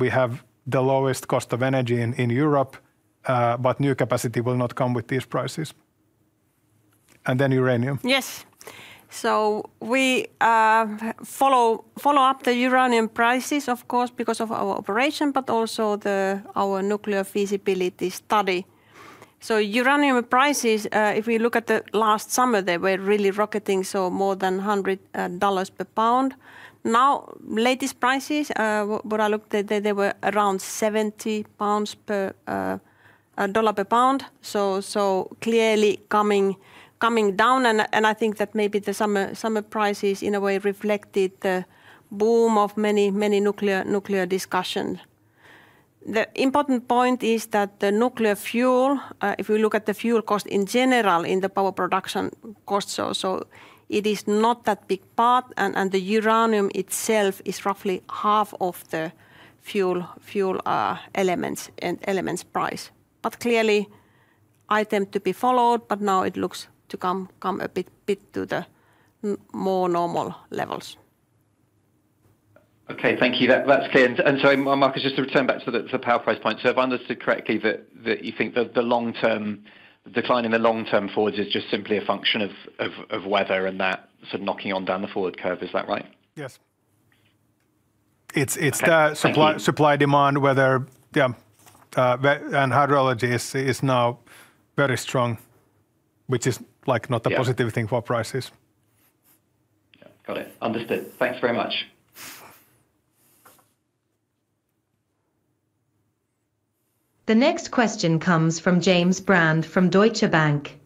We have the lowest cost of energy in Europe, but new capacity will not come with these prices. And then uranium. Yes. So we follow up the uranium prices, of course, because of our operation, but also our nuclear feasibility study. So uranium prices, if we look at the last summer, they were really rocketing, so more than $100 per pound. Now, latest prices, what I looked at, they were around 70 dollars per pound. So clearly coming down. And I think that maybe the summer prices in a way reflected the boom of many nuclear discussions. The important point is that the nuclear fuel, if we look at the fuel cost in general in the power production cost, so it is not that big part. And the uranium itself is roughly half of the fuel elements price. But clearly, item to be followed, but now it looks to come a bit to the more normal levels. Okay, thank you. That's clear. And so I'm Markus, just to return back to the power price point. So if I understood correctly that you think the decline in the long-term forwards is just simply a function of weather and that sort of knocking on down the forward curve, is that right? Yes. It's the supply-demand weather, yeah. And hydrology is now very strong, which is not a positive thing for prices. Got it. Understood. Thanks very much. The next question comes from James Brand from Deutsche Bank.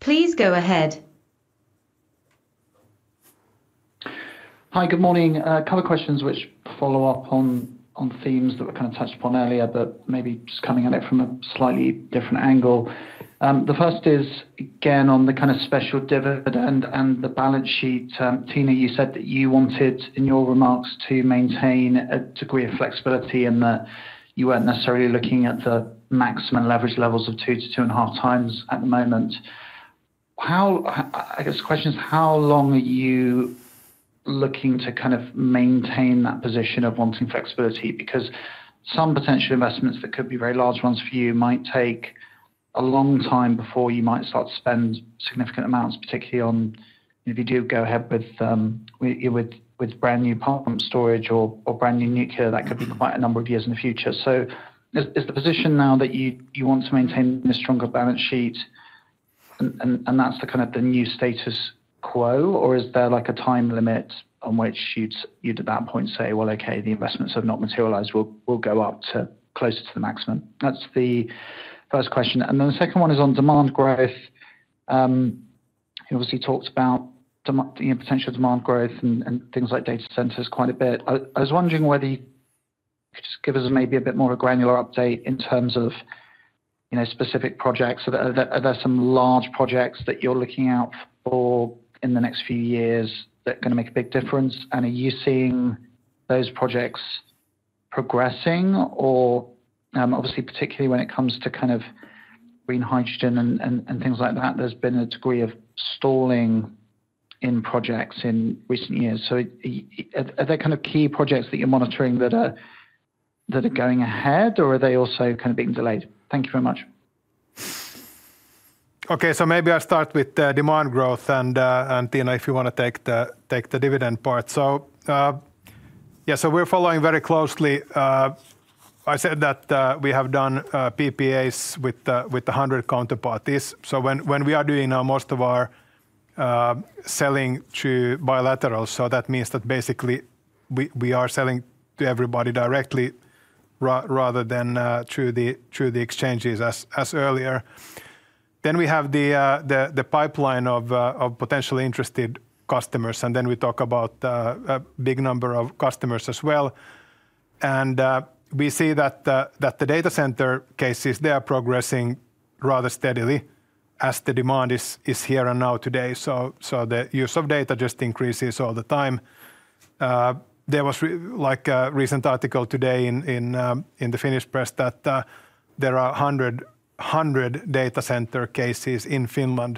Please go ahead. Hi, good morning. A couple of questions which follow up on themes that were kind of touched upon earlier, but maybe just coming at it from a slightly different angle. The first is, again, on the kind of special dividend and the balance sheet. Tiina, you said that you wanted in your remarks to maintain a degree of flexibility and that you weren't necessarily looking at the maximum leverage levels of two to two and a half times at the moment. I guess the question is, how long are you looking to kind of maintain that position of wanting flexibility? Because some potential investments that could be very large ones for you might take a long time before you might start to spend significant amounts, particularly if you do go ahead with brand new power plant storage or brand new nuclear, that could be quite a number of years in the future. So is the position now that you want to maintain a stronger balance sheet, and that's the kind of the new status quo, or is there like a time limit on which you'd at that point say, well, okay, the investments have not materialized, we'll go up to closer to the maximum? That's the first question. And then the second one is on demand growth. You obviously talked about potential demand growth and things like data centers quite a bit. I was wondering whether you could just give us maybe a bit more of a granular update in terms of specific projects. Are there some large projects that you're looking out for in the next few years that are going to make a big difference? And are you seeing those projects progressing? Or obviously, particularly when it comes to kind of green hydrogen and things like that, there's been a degree of stalling in projects in recent years. So are there kind of key projects that you're monitoring that are going ahead, or are they also kind of being delayed? Thank you very much. Okay, so maybe I'll start with demand growth, and Tiina, if you want to take the dividend part. So yeah, so we're following very closely. I said that we have done PPAs with 100 counterparties. So when we are doing now most of our selling to bilaterals, so that means that basically we are selling to everybody directly rather than through the exchanges as earlier. Then we have the pipeline of potentially interested customers, and then we talk about a big number of customers as well. And we see that the data center cases, they are progressing rather steadily as the demand is here and now today. So the use of data just increases all the time. There was like a recent article today in the Finnish press that there are 100 data center cases in Finland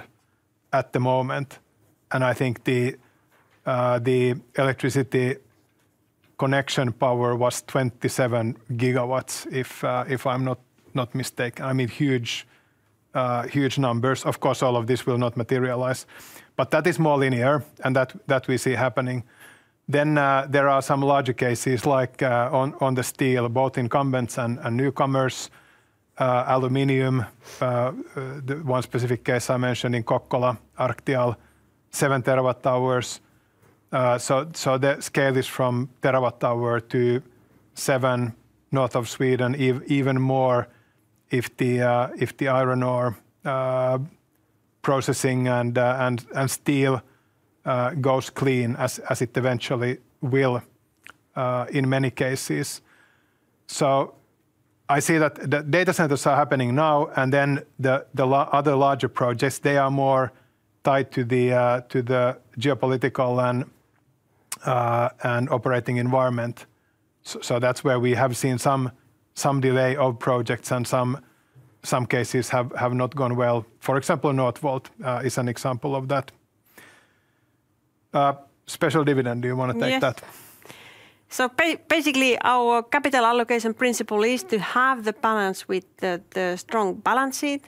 at the moment. And I think the electricity connection power was 27 gigawatts, if I'm not mistaken. I mean, huge numbers. Of course, all of this will not materialize. But that is more linear and that we see happening. Then there are some larger cases like on the steel, both incumbents and newcomers. Aluminum, the one specific case I mentioned in Kokkola, Arctic Aluminium, seven terawatt-hours. So the scale is from terawatt-hour to seven north of Sweden, even more if the iron ore processing and steel goes clean, as it eventually will in many cases. So I see that the data centers are happening now, and then the other larger projects, they are more tied to the geopolitical and operating environment. So that's where we have seen some delay of projects and some cases have not gone well. For example, Northvolt is an example of that. Special dividend, do you want to take that? Yes. So basically, our capital allocation principle is to have the balance with the strong balance sheet,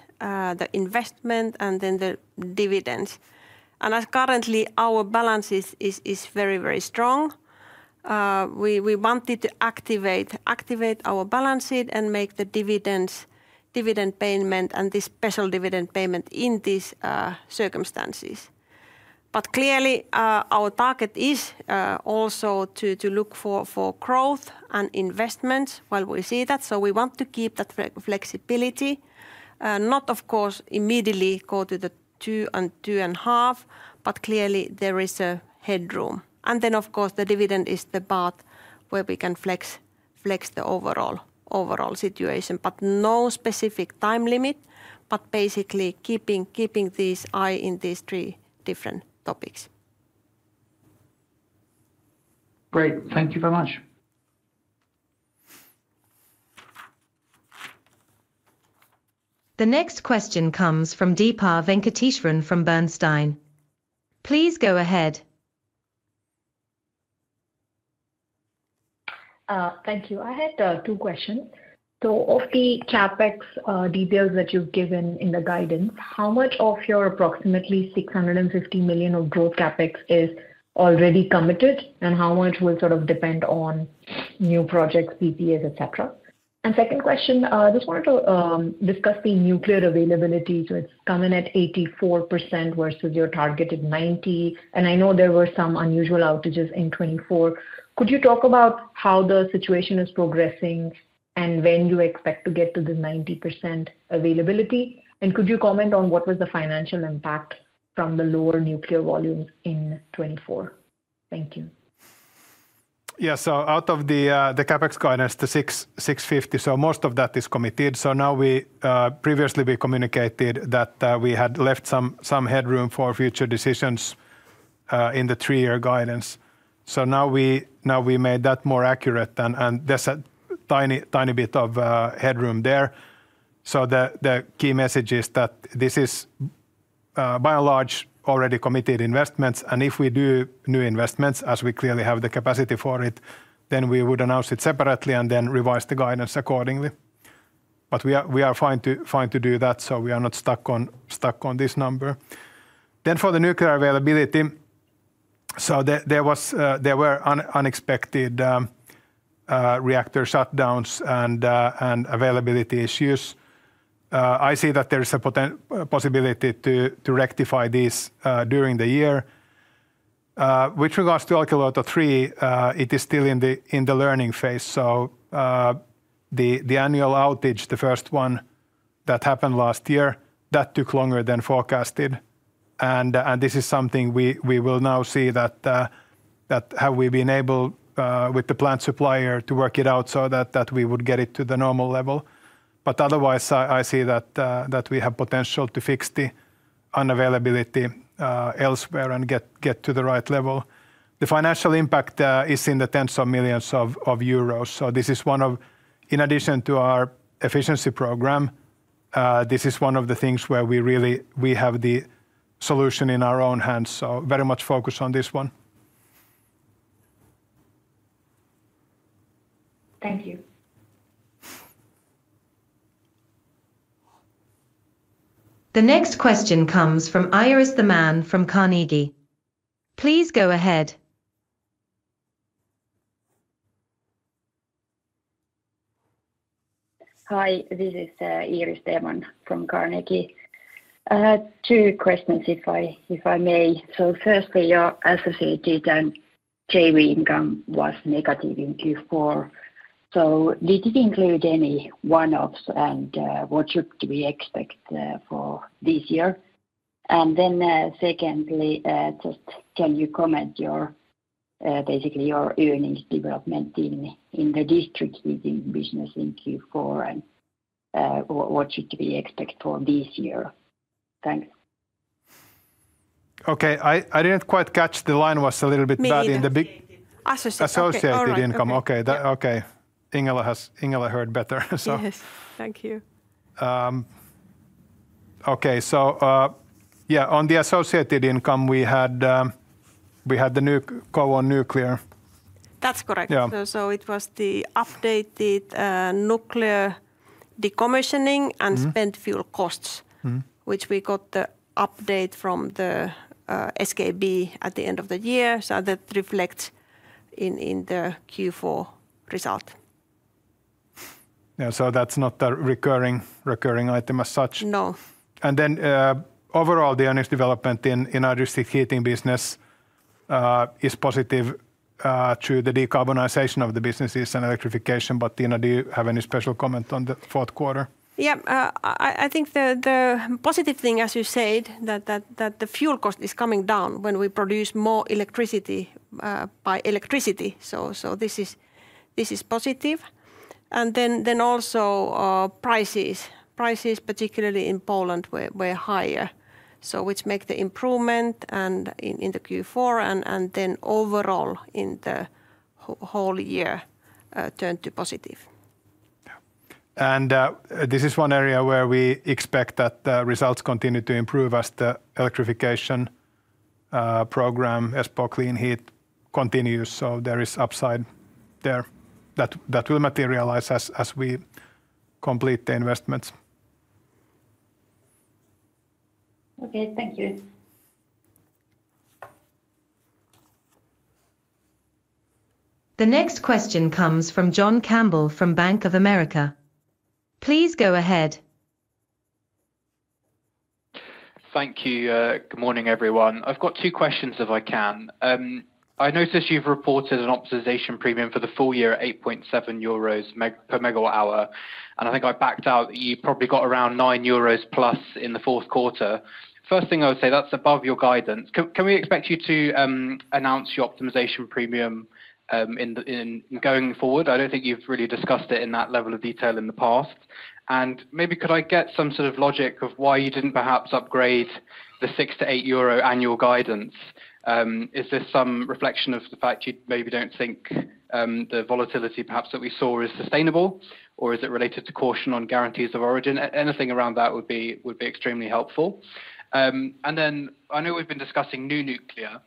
the investment, and then the dividends. And as currently, our balance sheet is very, very strong. We wanted to activate our balance sheet and make the dividend payment and this special dividend payment in these circumstances. But clearly, our target is also to look for growth and investments while we see that. So we want to keep that flexibility, not of course immediately go to the two and two and a half, but clearly there is a headroom. And then of course, the dividend is the part where we can flex the overall situation, but no specific time limit, but basically keeping an eye on these three different topics. Great. Thank you very much. The next question comes from Deepa Venkateswaran from Bernstein. Please go ahead. Thank you. I had two questions. So of the CapEx details that you've given in the guidance, how much of your approximately 650 million of growth CapEx is already committed, and how much will sort of depend on new projects, PPAs, etc.? And second question, I just wanted to discuss the nuclear availability. So it's coming at 84% versus your targeted 90%. And I know there were some unusual outages in 2024. Could you talk about how the situation is progressing and when you expect to get to the 90% availability? And could you comment on what was the financial impact from the lower nuclear volumes in 2024? Thank you. Yeah, so out of the CapEx guidance, the 650 million, so most of that is committed. So now we previously communicated that we had left some headroom for future decisions in the three-year guidance. So now we made that more accurate, and there's a tiny bit of headroom there. So the key message is that this is by and large already committed investments. And if we do new investments, as we clearly have the capacity for it, then we would announce it separately and then revise the guidance accordingly. But we are fine to do that, so we are not stuck on this number. Then for the nuclear availability, so there were unexpected reactor shutdowns and availability issues. I see that there is a possibility to rectify these during the year. With regards to Olkiluoto 3, it is still in the learning phase. So the annual outage, the first one that happened last year, that took longer than forecasted. This is something we will now see that have we been able with the plant supplier to work it out so that we would get it to the normal level. But otherwise, I see that we have potential to fix the unavailability elsewhere and get to the right level. The financial impact is in the tens of millions of euros. So this is one of, in addition to our efficiency program, this is one of the things where we really have the solution in our own hands. So very much focus on this one. Thank you. The next question comes from Iiris Theman from Carnegie. Please go ahead. Hi, this is Iiris Theman from Carnegie. Two questions, if I may. So firstly, your associate income was negative in Q4. So did it include any one-offs and what should we expect for this year? And then secondly, just can you comment basically on your earnings development in the district heating business in Q4 and what should we expect for this year? Thanks. Okay, I didn't quite catch the line was a little bit bad on the associated income. Associated income, okay. Okay, Ingela heard better. Yes, thank you. Okay, so yeah, on the associated income, we had the new co-owned nuclear. That's correct. So it was the updated nuclear decommissioning and spent fuel costs, which we got the update from the SKB at the end of the year. So that reflects in the Q4 result. Yeah, so that's not a recurring item as such. No. And then overall, the earnings development in Iiris's heating business is positive due to the decarbonization of the businesses and electrification. But Tiina, do you have any special comment on the fourth quarter? Yeah, I think the positive thing, as you said, that the fuel cost is coming down when we produce more electricity by electricity. So this is positive. And then also prices, particularly in Poland, were higher, which made the improvement in the Q4 and then overall in the whole year turned to positive. And this is one area where we expect that the results continue to improve as the electrification program, Espoo Clean Heat, continues. So there is upside there that will materialize as we complete the investments. Okay, thank you. The next question comes from John Campbell from Bank of America. Please go ahead. Thank you. Good morning, everyone. I've got two questions if I can. I noticed you've reported an optimization premium for the full year at 8.7 euros per megawatt hour. And I think I backed out that you probably got around nine euros plus in the fourth quarter. First thing I would say, that's above your guidance. Can we expect you to announce your optimization premium going forward? I don't think you've really discussed it in that level of detail in the past. And maybe could I get some sort of logic of why you didn't perhaps upgrade the six to eight euro annual guidance? Is this some reflection of the fact you maybe don't think the volatility perhaps that we saw is sustainable, or is it related to caution on guarantees of origin? Anything around that would be extremely helpful. And then I know we've been discussing new nuclear,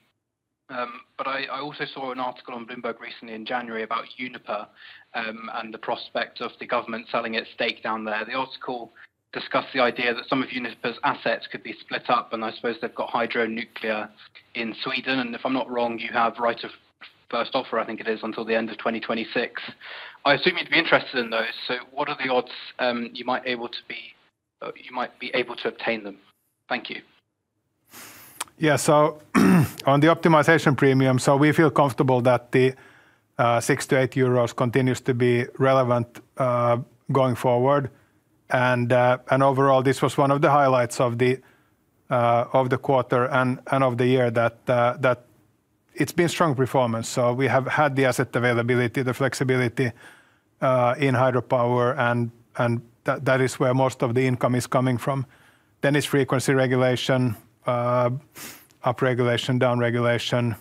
but I also saw an article on Bloomberg recently in January about Uniper and the prospect of the government selling its stake down there. The article discussed the idea that some of Uniper's assets could be split up, and I suppose they've got hydro nuclear in Sweden. And if I'm not wrong, you have right of first offer, I think it is, until the end of 2026. I assume you'd be interested in those. So what are the odds you might be able to obtain them? Thank you. Yeah, so on the optimization premium, so we feel comfortable that the 6-8 euros continues to be relevant going forward. And overall, this was one of the highlights of the quarter and of the year that it's been strong performance. So we have had the asset availability, the flexibility in hydropower, and that is where most of the income is coming from. Then it's frequency regulation, up regulation, down regulation,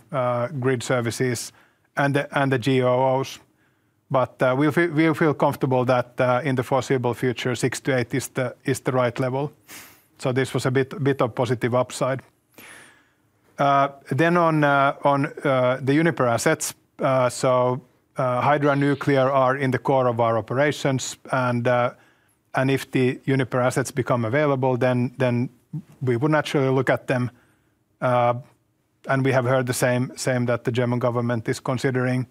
grid services, and the GOOs. But we feel comfortable that in the foreseeable future, six to eight is the right level. So this was a bit of positive upside. Then on the Uniper assets, so hydro nuclear are in the core of our operations. And if the Uniper assets become available, then we would naturally look at them. And we have heard the same that the German government is considering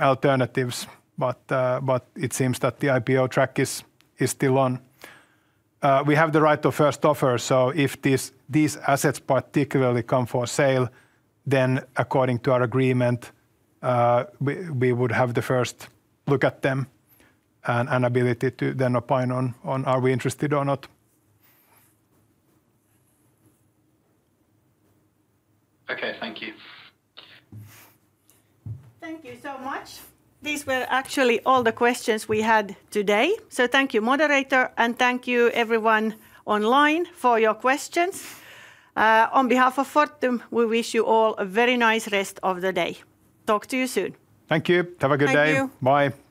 alternatives, but it seems that the IPO track is still on. We have the right of first offer. So if these assets particularly come for sale, then according to our agreement, we would have the first look at them and ability to then opine on are we interested or not. Okay, thank you. Thank you so much. These were actually all the questions we had today. So thank you, moderator, and thank you everyone online for your questions. On behalf of Fortum, we wish you all a very nice rest of the day. Talk to you soon. Thank you. Have a good day. Thank you. Bye.